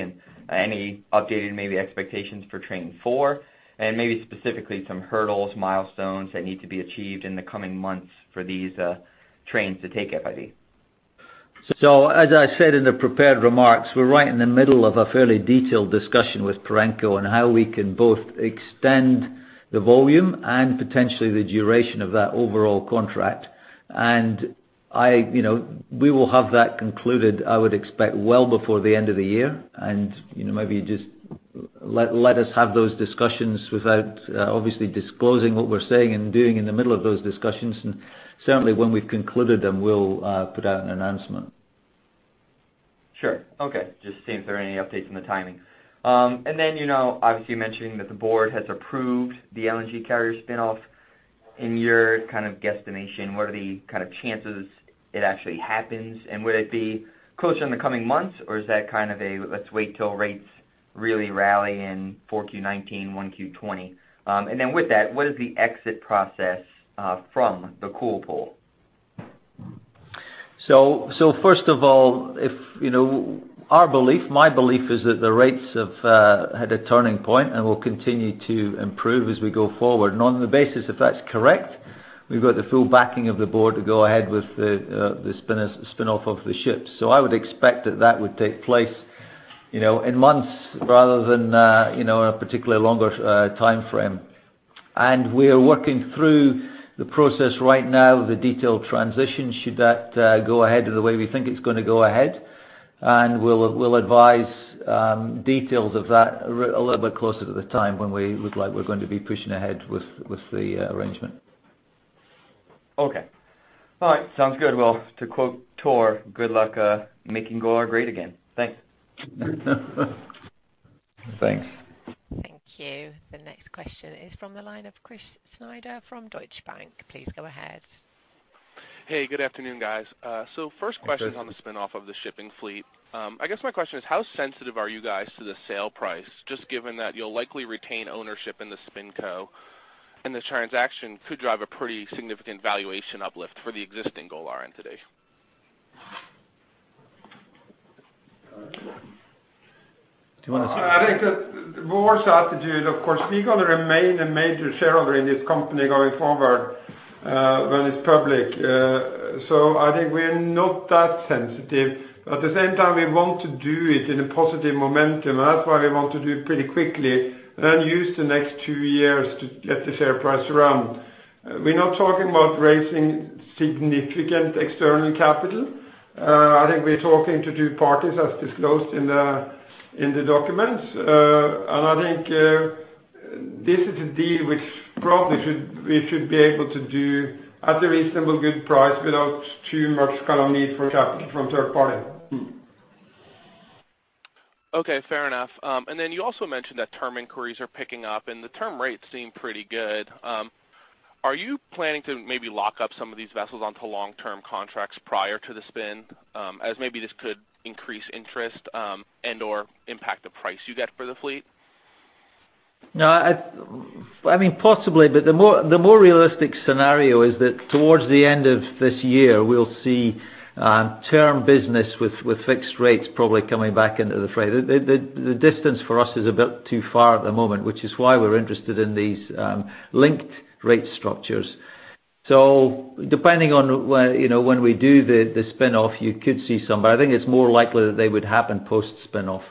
Any updated maybe expectations for train four? Maybe specifically, some hurdles, milestones that need to be achieved in the coming months for these trains to take FID. As I said in the prepared remarks, we're right in the middle of a fairly detailed discussion with Perenco on how we can both extend the volume and potentially the duration of that overall contract. We will have that concluded, I would expect, well before the end of the year. Maybe just let us have those discussions without obviously disclosing what we're saying and doing in the middle of those discussions. Certainly when we've concluded them, we'll put out an announcement. Sure. Okay. Just seeing if there are any updates on the timing. Obviously you mentioning that the board has approved the LNG carrier spinoff. In your guesstimation, what are the chances it actually happens, and would it be closer in the coming months, or is that a let's wait till rates really rally in 4Q 2019, 1Q 2020? With that, what is the exit process from The Cool Pool? First of all, our belief, my belief is that the rates have had a turning point and will continue to improve as we go forward. On the basis, if that's correct, we've got the full backing of the board to go ahead with the spinoff of the ships. I would expect that that would take place in months, rather than in a particularly longer timeframe. We are working through the process right now of the detailed transition, should that go ahead in the way we think it's going to go ahead. We'll advise details of that a little bit closer to the time when we look like we're going to be pushing ahead with the arrangement. Okay. All right. Sounds good. To quote Tor, good luck making Golar great again. Thanks. Thanks. Thank you. The next question is from the line of Chris Snyder from Deutsche Bank. Please go ahead. Hey, good afternoon, guys. Hey, Chris. First question on the spinoff of the shipping fleet. I guess my question is, how sensitive are you guys to the sale price, just given that you'll likely retain ownership in the spin co, and the transaction could drive a pretty significant valuation uplift for the existing Golar entity? I think that board's attitude, of course, we're going to remain a major shareholder in this company going forward when it's public. I think we're not that sensitive. At the same time, we want to do it in a positive momentum, and that's why we want to do it pretty quickly than use the next two years to get the share price around. We're not talking about raising significant external capital. I think we're talking to two parties, as disclosed in the documents. I think this is a deal which probably we should be able to do at a reasonable good price without too much need for capital from third-party. Okay, fair enough. Then you also mentioned that term inquiries are picking up, the term rates seem pretty good. Are you planning to maybe lock up some of these vessels onto long-term contracts prior to the spin, as maybe this could increase interest, and/or impact the price you get for the fleet? No. Possibly, the more realistic scenario is that towards the end of this year, we'll see term business with fixed rates probably coming back into the fray. The distance for us is a bit too far at the moment, which is why we're interested in these linked rate structures. Depending on when we do the spin-off, you could see some, but I think it's more likely that they would happen post spin-off.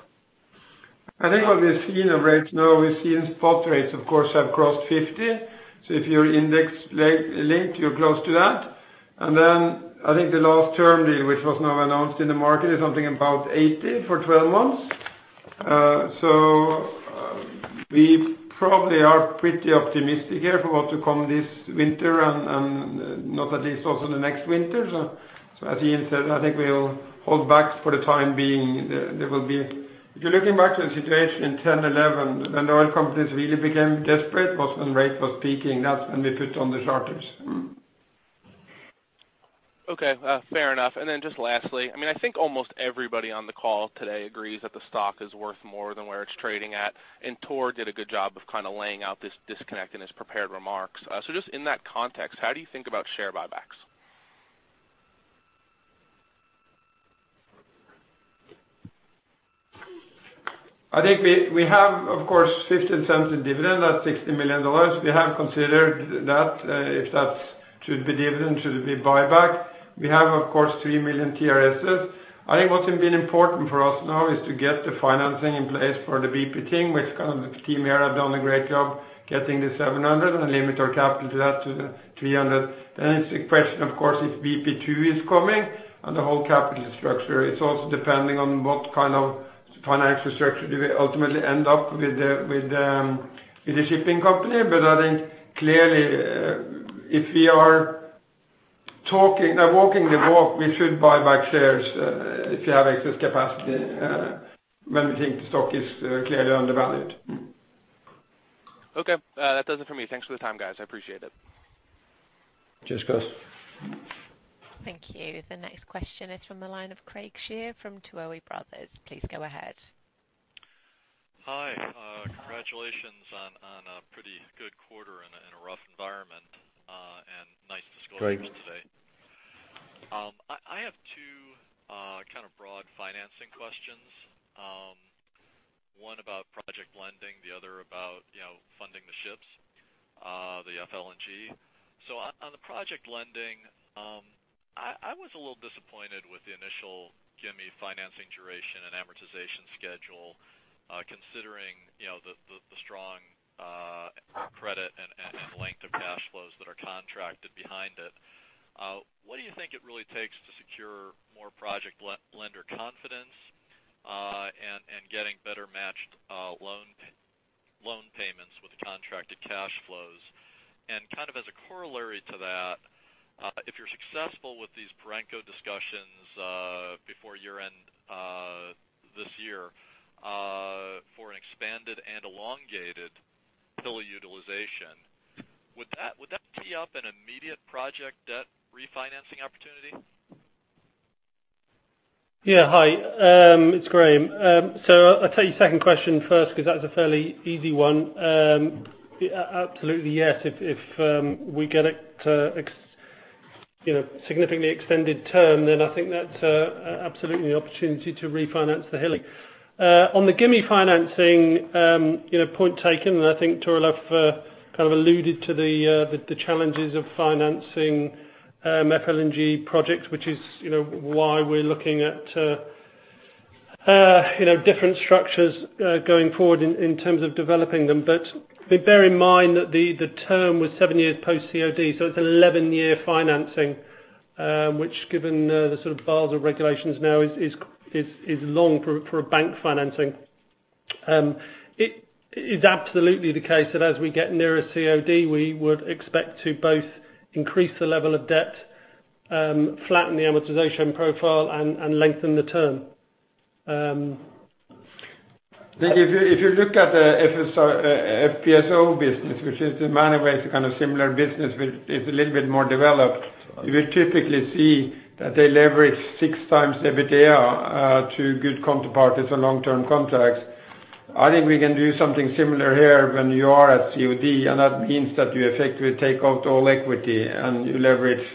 I think what we've seen of rates now, we've seen spot rates, of course, have crossed $50. If you're index-linked, you're close to that. I think the last term deal, which was now announced in the market, is something about $80 for 12 months. We probably are pretty optimistic here for what to come this winter and not at least also the next winter. As Iain said, I think we'll hold back for the time being. If you're looking back to the situation in 2010, 2011, when the oil companies really became desperate was when rate was peaking. That's when we put on the charters. Okay. Fair enough. Just lastly, I think almost everybody on the call today agrees that the stock is worth more than where it's trading at, and Tor did a good job of laying out this disconnect in his prepared remarks. Just in that context, how do you think about share buybacks? I think we have, of course, $0.50 in dividend. That's $60 million. We have considered that, if that should be dividend, should it be buyback. We have, of course, 3 million TRSs. I think what's been important for us now is to get the financing in place for the BP thing, which the team here have done a great job getting the $700 million and limit our capital to that to the $300 million. Then it's a question, of course, if BP 2 is coming and the whole capital structure. It's also depending on what kind of financial structure do we ultimately end up with the shipping company. I think clearly, if we are walking the walk, we should buy back shares if you have excess capacity when we think the stock is clearly undervalued. Okay. That does it for me. Thanks for the time, guys. I appreciate it. Cheers, Chris. Thank you. The next question is from the line of Craig Shere from Tuohy Brothers. Please go ahead. Hi. Congratulations on a pretty good quarter in a rough environment, and nice disclosures today. Thanks. I have two kind of broad financing questions. One about project lending, the other about funding the ships, the FLNG. On the project lending, I was a little disappointed with the initial Gimi financing duration and amortization schedule, considering the strong credit and length of cash flows that are contracted behind it. What do you think it really takes to secure more project lender confidence, and getting better matched loan payments with the contracted cash flows? As a corollary to that, if you're successful with these Perenco discussions before year-end this year for an expanded and elongated Hilli utilization, would that tee up an immediate project debt refinancing opportunity? Yeah. Hi, it's Graham. I'll tell you second question first, because that's a fairly easy one. Absolutely, yes. If we get a significantly extended term, then I think that's absolutely an opportunity to refinance the Hilli. On the Gimi financing, point taken, and I think Tor Olav kind of alluded to the challenges of financing FLNG projects, which is why we're looking at different structures going forward in terms of developing them. Bear in mind that the term was 7 years post COD, so it's an 11-year financing, which given the sort of Basel regulations now is long for a bank financing. It is absolutely the case that as we get nearer COD, we would expect to both increase the level of debt, flatten the amortization profile, and lengthen the term. If you look at the FPSO business, which is in many ways a kind of similar business, which is a little bit more developed, you will typically see that they leverage 6 times the EBITDA to good counterparties on long-term contracts. I think we can do something similar here when you are at COD, and that means that you effectively take out all equity and you leverage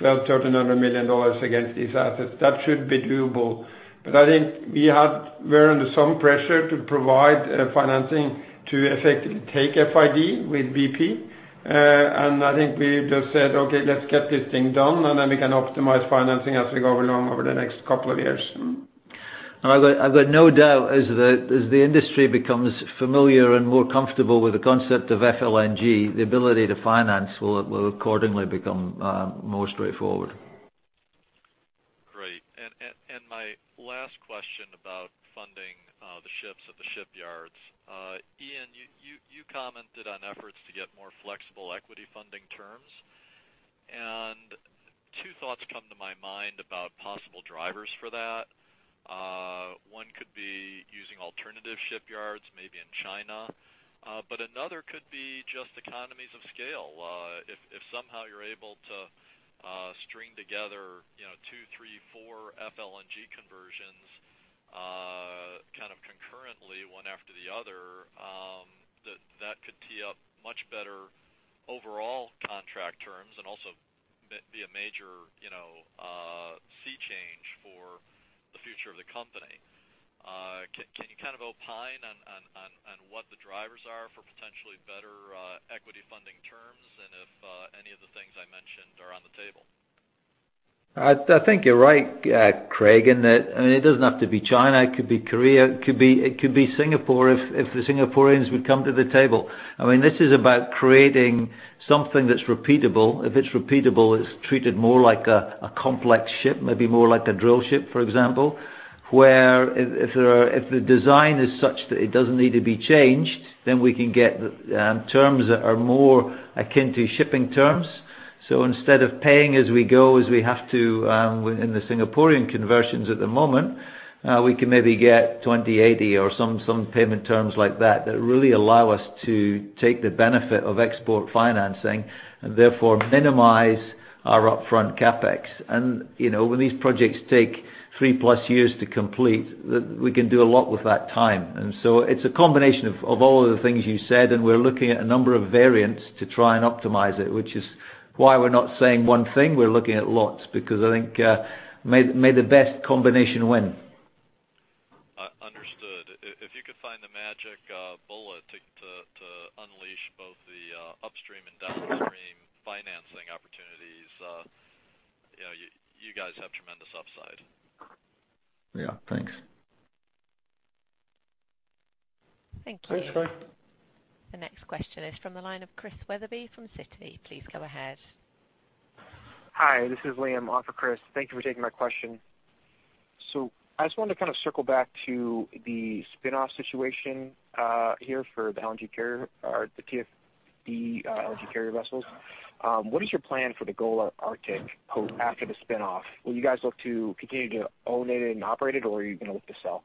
$1,200 million, $1,300 million against these assets. That should be doable. I think we were under some pressure to provide financing to effectively take FID with BP. I think we just said, "Okay, let's get this thing done, and then we can optimize financing as we go along over the next couple of years. I've got no doubt as the industry becomes familiar and more comfortable with the concept of FLNG, the ability to finance will accordingly become more straightforward. Great. My last question about funding the ships at the shipyards. Iain, you commented on efforts to get more flexible equity funding terms. Two thoughts come to my mind about possible drivers for that. One could be using alternative shipyards, maybe in China. Another could be just economies of scale. If somehow you're able to string together two, three, four FLNG conversions kind of concurrently, one after the other, that could tee up much better overall contract terms and also be a major sea change for the future of the company. Can you opine on what the drivers are for potentially better equity funding terms, and if any of the things I mentioned are on the table? I think you're right, Craig, in that it doesn't have to be China, it could be Korea. It could be Singapore if the Singaporeans would come to the table. This is about creating something that's repeatable. If it's repeatable, it's treated more like a complex ship, maybe more like a drillship, for example, where if the design is such that it doesn't need to be changed, then we can get terms that are more akin to shipping terms. Instead of paying as we go, as we have to in the Singaporean conversions at the moment, we can maybe get 20/80 or some payment terms like that really allow us to take the benefit of export financing and therefore minimize our upfront CapEx. When these projects take three-plus years to complete, we can do a lot with that time. It's a combination of all of the things you said, and we're looking at a number of variants to try and optimize it, which is why we're not saying one thing. We're looking at lots because I think may the best combination win. Understood. If you could find the magic bullet to unleash both the upstream and downstream financing opportunities, you guys have tremendous upside. Yeah, thanks. Thank you. Thanks, Craig. The next question is from the line of Chris Wetherbee from Citi. Please go ahead. Hi, this is Liam on for Chris. Thank you for taking my question. I just wanted to circle back to the spinoff situation here for the LNG carrier or the TFDE LNG carrier vessels. What is your plan for the Golar Arctic after the spinoff? Will you guys look to continue to own it and operate it, or are you going to look to sell?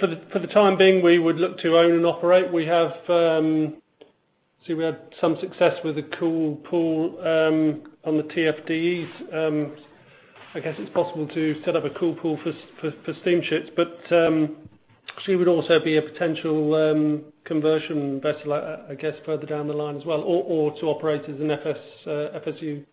For the time being, we would look to own and operate. We had some success with The Cool Pool on the TFDEs. I guess it's possible to set up a cool pool for steamships, but she would also be a potential conversion vessel, I guess, further down the line as well, or to operate as an FSU.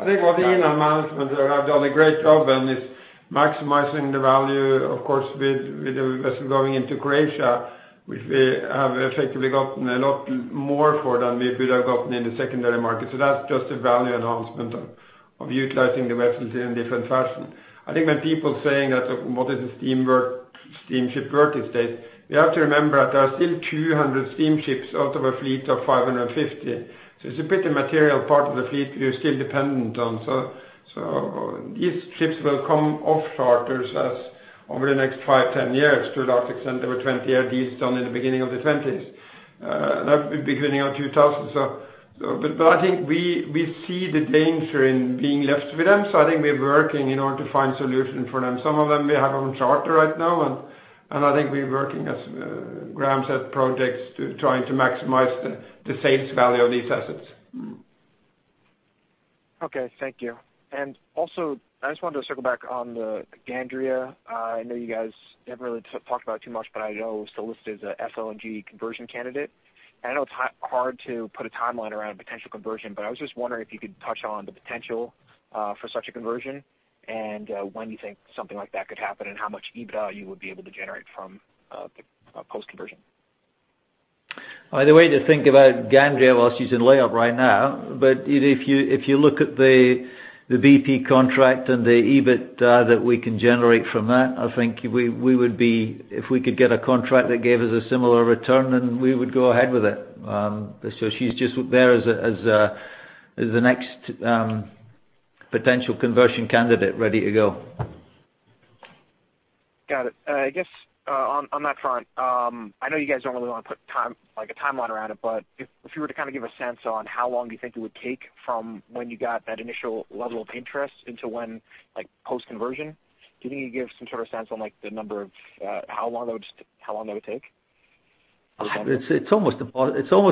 I think what the management have done a great job and is maximizing the value, of course, with the vessel going into Croatia, which we have effectively gotten a lot more for than we would have gotten in the secondary market. That's just a value enhancement of utilizing the vessels in different fashion. I think when people saying that, what is the steamship worth these days? We have to remember that there are still 200 steamships out of a fleet of 550. It's a pretty material part of the fleet we are still dependent on. These ships will come off charters as over the next five, 10 years to an extent. There were 20-year deals done in the beginning of the 2000s. I think we see the danger in being left with them. I think we're working in order to find solutions for them. Some of them we have on charter right now, I think we're working, as Graham said, projects to trying to maximize the sales value of these assets. Okay, thank you. Also, I just wanted to circle back on the Gandria. I know you guys never really talked about it too much, but I know it was solicited as a FLNG conversion candidate. I know it's hard to put a timeline around a potential conversion, but I was just wondering if you could touch on the potential for such a conversion and when you think something like that could happen, and how much EBITDA you would be able to generate from post-conversion. The way to think about Gandria, well she's in layup right now, if you look at the BP contract and the EBIT that we can generate from that, I think if we could get a contract that gave us a similar return, we would go ahead with it. She's just there as the next potential conversion candidate ready to go. Got it. I guess on that front, I know you guys don't really want to put a timeline around it, if you were to give a sense on how long you think it would take from when you got that initial level of interest into when post-conversion, can you give some sort of sense on the number of how long that would take? It's almost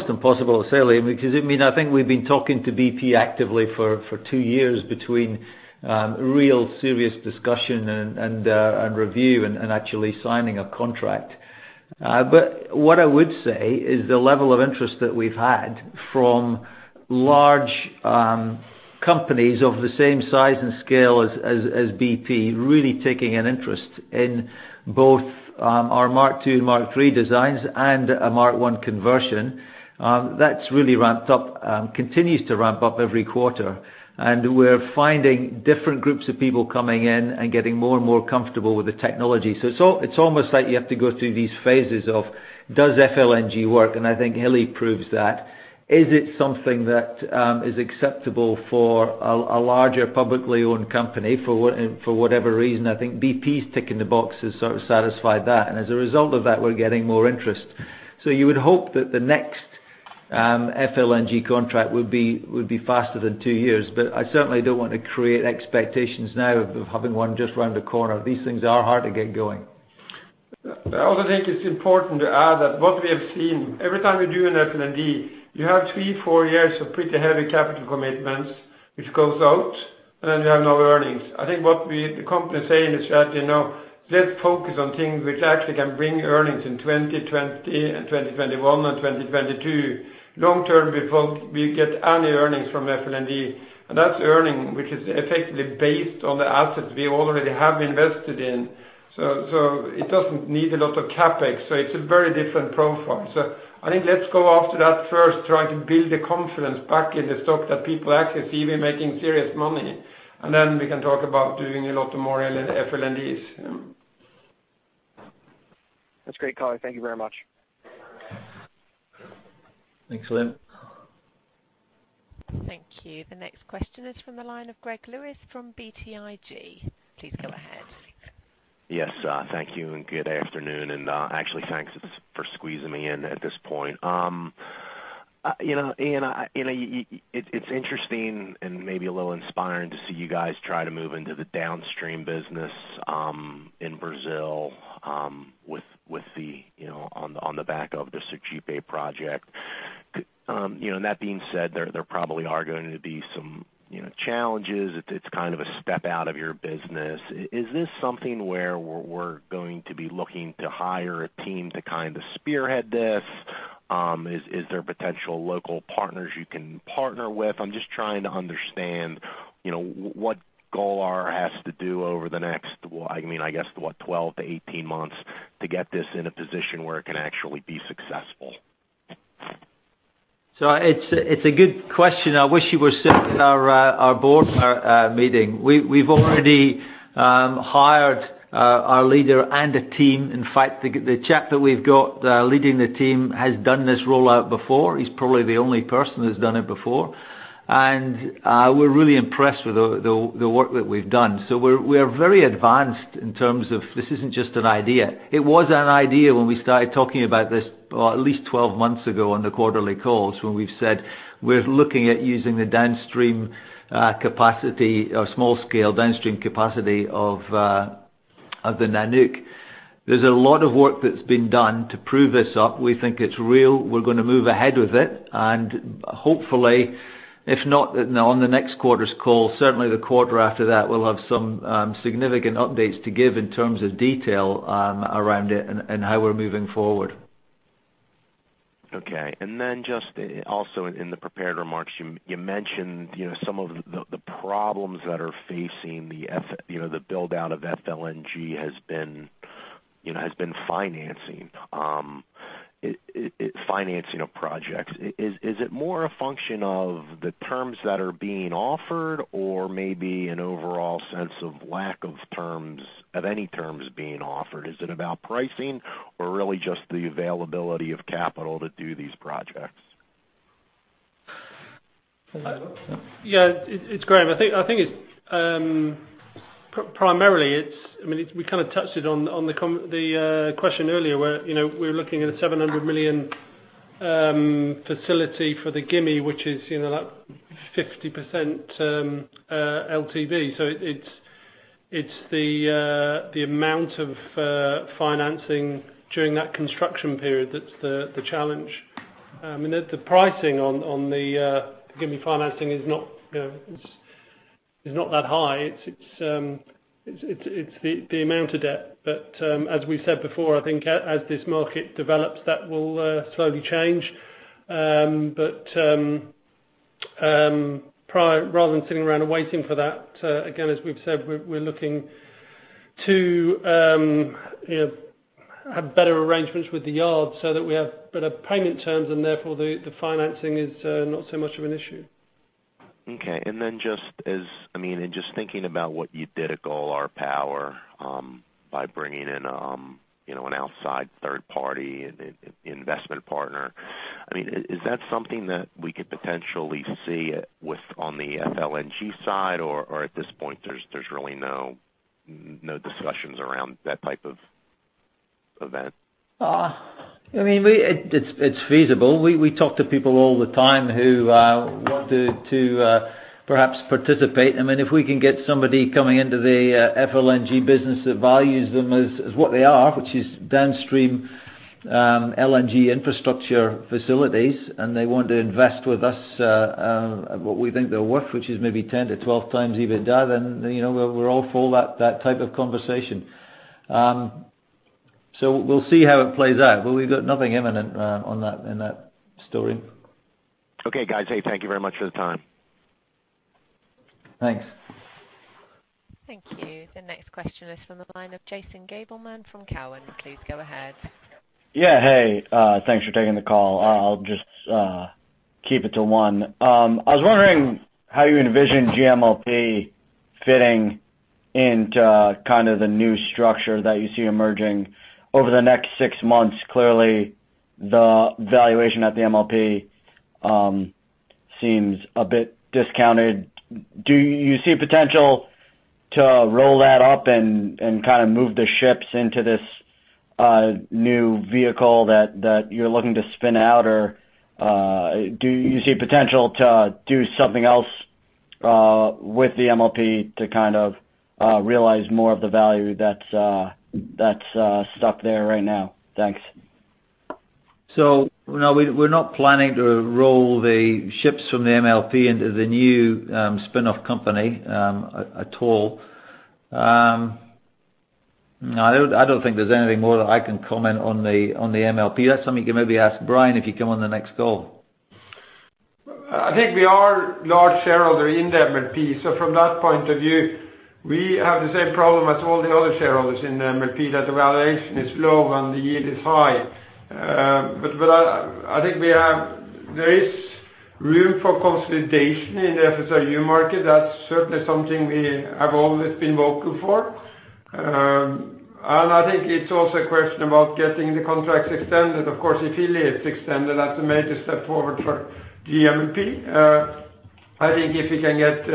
impossible to say, Liam, because I think we've been talking to BP actively for 2 years between real serious discussion and review, actually signing a contract. What I would say is the level of interest that we've had from large companies of the same size and scale as BP, really taking an interest in both our Mark II and Mark III designs and a Mark I conversion. That's really ramped up and continues to ramp up every quarter. We're finding different groups of people coming in and getting more and more comfortable with the technology. So it's almost like you have to go through these phases of, does FLNG work? I think Hilli proves that. Is it something that is acceptable for a larger, publicly-owned company? For whatever reason, I think BP's ticking the box has sort of satisfied that. As a result of that, we're getting more interest. You would hope that the next FLNG contract would be faster than 2 years, I certainly don't want to create expectations now of having one just around the corner. These things are hard to get going. I also think it's important to add that what we have seen, every time we do an FLNG, you have three, four years of pretty heavy capital commitments, which goes out, then we have no earnings. I think what the company is saying is that now let's focus on things which actually can bring earnings in 2020 and 2021 and 2022. Long term, before we get any earnings from FLNG, and that's earning, which is effectively based on the assets we already have invested in. It doesn't need a lot of CapEx. It's a very different profile. I think let's go after that first, try to build the confidence back in the stock that people actually see me making serious money. Then we can talk about doing a lot more FLNGs. That's great, Colin. Thank you very much. Thanks, Liam. Thank you. The next question is from the line of Gregory Lewis from BTIG. Please go ahead. Yes. Thank you, and good afternoon. Actually, thanks for squeezing me in at this point. Iain, it's interesting and maybe a little inspiring to see you guys try to move into the downstream business in Brazil on the back of the Sergipe project. That being said, there probably are going to be some challenges. It's kind of a step out of your business. Is this something where we're going to be looking to hire a team to spearhead this? Is there potential local partners you can partner with? I'm just trying to understand what Golar has to do over the next, I guess, what, 12 to 18 months to get this in a position where it can actually be successful. It's a good question. I wish you were sitting in our board meeting. We've already hired a leader and a team. In fact, the chap that we've got leading the team has done this rollout before. He's probably the only person who's done it before. We're really impressed with the work that we've done. We are very advanced in terms of this isn't just an idea. It was an idea when we started talking about this at least 12 months ago on the quarterly calls, when we've said we're looking at using the small-scale downstream capacity of the Nanook. There's a lot of work that's been done to prove this up. We think it's real. We're going to move ahead with it, hopefully, if not on the next quarter's call, certainly the quarter after that, we'll have some significant updates to give in terms of detail around it and how we're moving forward. Okay. Then just also in the prepared remarks, you mentioned some of the problems that are facing the build-out of FLNG has been financing of projects. Is it more a function of the terms that are being offered or maybe an overall sense of lack of any terms being offered? Is it about pricing or really just the availability of capital to do these projects? Yeah, it's Graham. I think primarily, we kind of touched it on the question earlier where we're looking at a $700 million facility for the Gimi, which is that 50% LTV. It's the amount of financing during that construction period that's the challenge. The pricing on the Gimi financing is not that high. It's the amount of debt. As we said before, I think as this market develops, that will slowly change. Rather than sitting around and waiting for that, again, as we've said, we're looking to have better arrangements with the yard so that we have better payment terms and therefore the financing is not so much of an issue. Okay. Then just thinking about what you did at Golar Power by bringing in an outside third party investment partner, is that something that we could potentially see on the FLNG side, or at this point there's really no discussions around that type of event? It's feasible. We talk to people all the time who want to perhaps participate. If we can get somebody coming into the FLNG business that values them as what they are, which is downstream LNG infrastructure facilities, and they want to invest with us at what we think they're worth, which is maybe 10 to 12 times EBITDA, we're all for that type of conversation. We'll see how it plays out. We've got nothing imminent in that story. Okay, guys. Thank you very much for the time. Thanks. Thank you. The next question is from the line of Jason Gabelman from Cowen. Please go ahead. Thanks for taking the call. I'll just keep it to one. I was wondering how you envision GMLP fitting into kind of the new structure that you see emerging over the next six months. Clearly, the valuation at the MLP seems a bit discounted. Do you see potential to roll that up and move the ships into this new vehicle that you're looking to spin out? Do you see potential to do something else with the MLP to realize more of the value that's stuck there right now? Thanks. No, we're not planning to roll the ships from the MLP into the new spin-off company at all. I don't think there's anything more that I can comment on the MLP. That's something you can maybe ask Brian if you come on the next call. I think we are large shareholder in the MLP, from that point of view, we have the same problem as all the other shareholders in the MLP, that the valuation is low and the yield is high. I think there is room for consolidation in the FSRU market. That's certainly something we have always been vocal for. I think it's also a question about getting the contracts extended. Of course, if Hilli is extended, that's a major step forward for GMLP. I think if we can get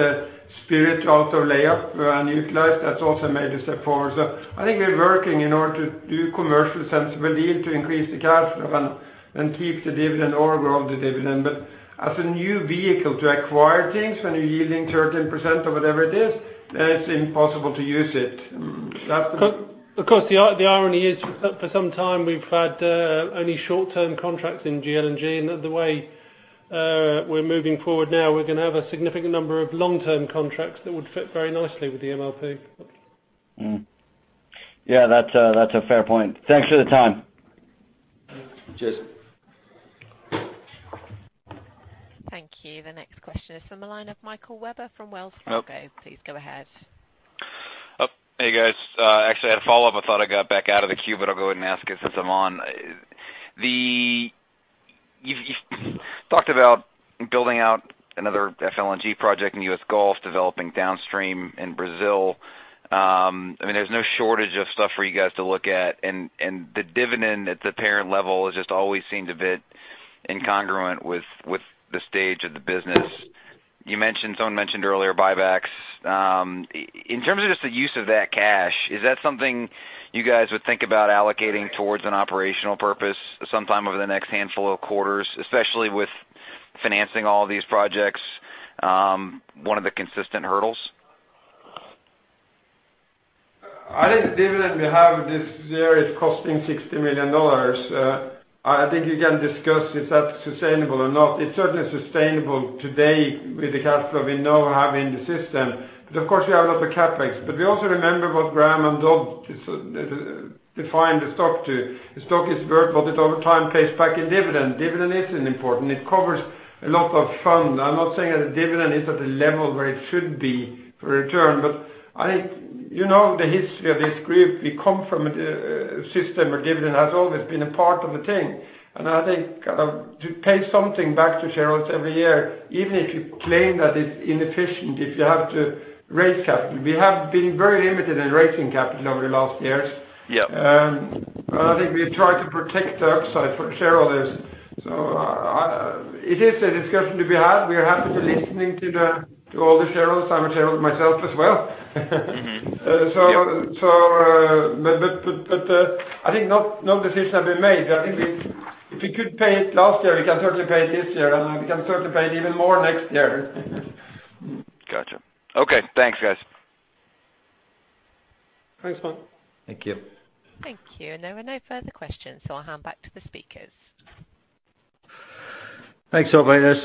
Spirit out of layup and utilized, that's also a major step forward. I think we're working in order to do commercial sensible deal to increase the cash flow and keep the dividend or grow the dividend. As a new vehicle to acquire things when you're yielding 13% or whatever it is, it's impossible to use it. Of course, the irony is for some time we've had only short-term contracts in GLNG, and the way we're moving forward now, we're going to have a significant number of long-term contracts that would fit very nicely with the MLP. Yeah, that's a fair point. Thanks for the time. Cheers. Thank you. The next question is from the line of Michael Webber from Wells Fargo. Please go ahead. Hey, guys. Actually, I had a follow-up. I thought I got back out of the queue, I'll go ahead and ask it since I'm on. You've talked about building out another FLNG project in U.S. Gulf, developing downstream in Brazil. There's no shortage of stuff for you guys to look at, the dividend at the parent level has just always seemed a bit incongruent with the stage of the business. Someone mentioned earlier buybacks. In terms of just the use of that cash, is that something you guys would think about allocating towards an operational purpose sometime over the next handful of quarters, especially with financing all these projects, one of the consistent hurdles? I think the dividend we have this year is costing $60 million. I think you can discuss is that sustainable or not. It's certainly sustainable today with the cash flow we now have in the system. Of course, we have a lot of CapEx. We also remember what Graham and Dodd defined the stock to. The stock is worth what it over time pays back in dividend. Dividend is important. It covers a lot of fund. I'm not saying that the dividend is at the level where it should be for return, but you know the history of this group. We come from a system where dividend has always been a part of the thing, I think to pay something back to shareholders every year, even if you claim that it's inefficient, if you have to raise capital. We have been very limited in raising capital over the last years. Yeah. I think we try to protect the upside for the shareholders. It is a discussion to be had. We are happy to listening to all the shareholders. I'm a shareholder myself as well. Mm-hmm. Yep. I think no decision has been made. I think if we could pay it last year, we can certainly pay it this year, and we can certainly pay it even more next year. Gotcha. Okay. Thanks, guys. Thanks, Mike. Thank you. Thank you. There were no further questions, so I'll hand back to the speakers. Thanks, operator.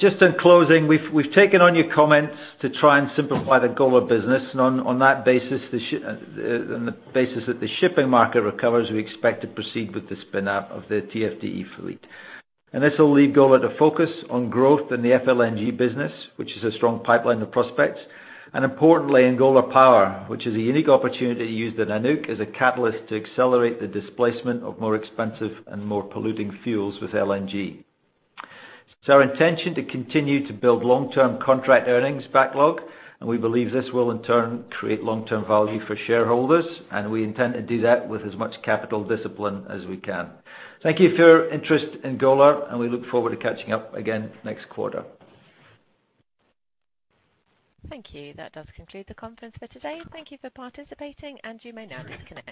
Just in closing, we've taken on your comments to try and simplify the Golar business. On that basis, on the basis that the shipping market recovers, we expect to proceed with the spin-out of the TFDE fleet. This will lead Golar to focus on growth in the FLNG business, which is a strong pipeline of prospects, and importantly, in Golar Power, which is a unique opportunity to use the Golar Nanook as a catalyst to accelerate the displacement of more expensive and more polluting fuels with LNG. It's our intention to continue to build long-term contract earnings backlog, and we believe this will in turn create long-term value for shareholders, and we intend to do that with as much capital discipline as we can. Thank you for your interest in Golar, and we look forward to catching up again next quarter. Thank you. That does conclude the conference for today. Thank you for participating, and you may now disconnect.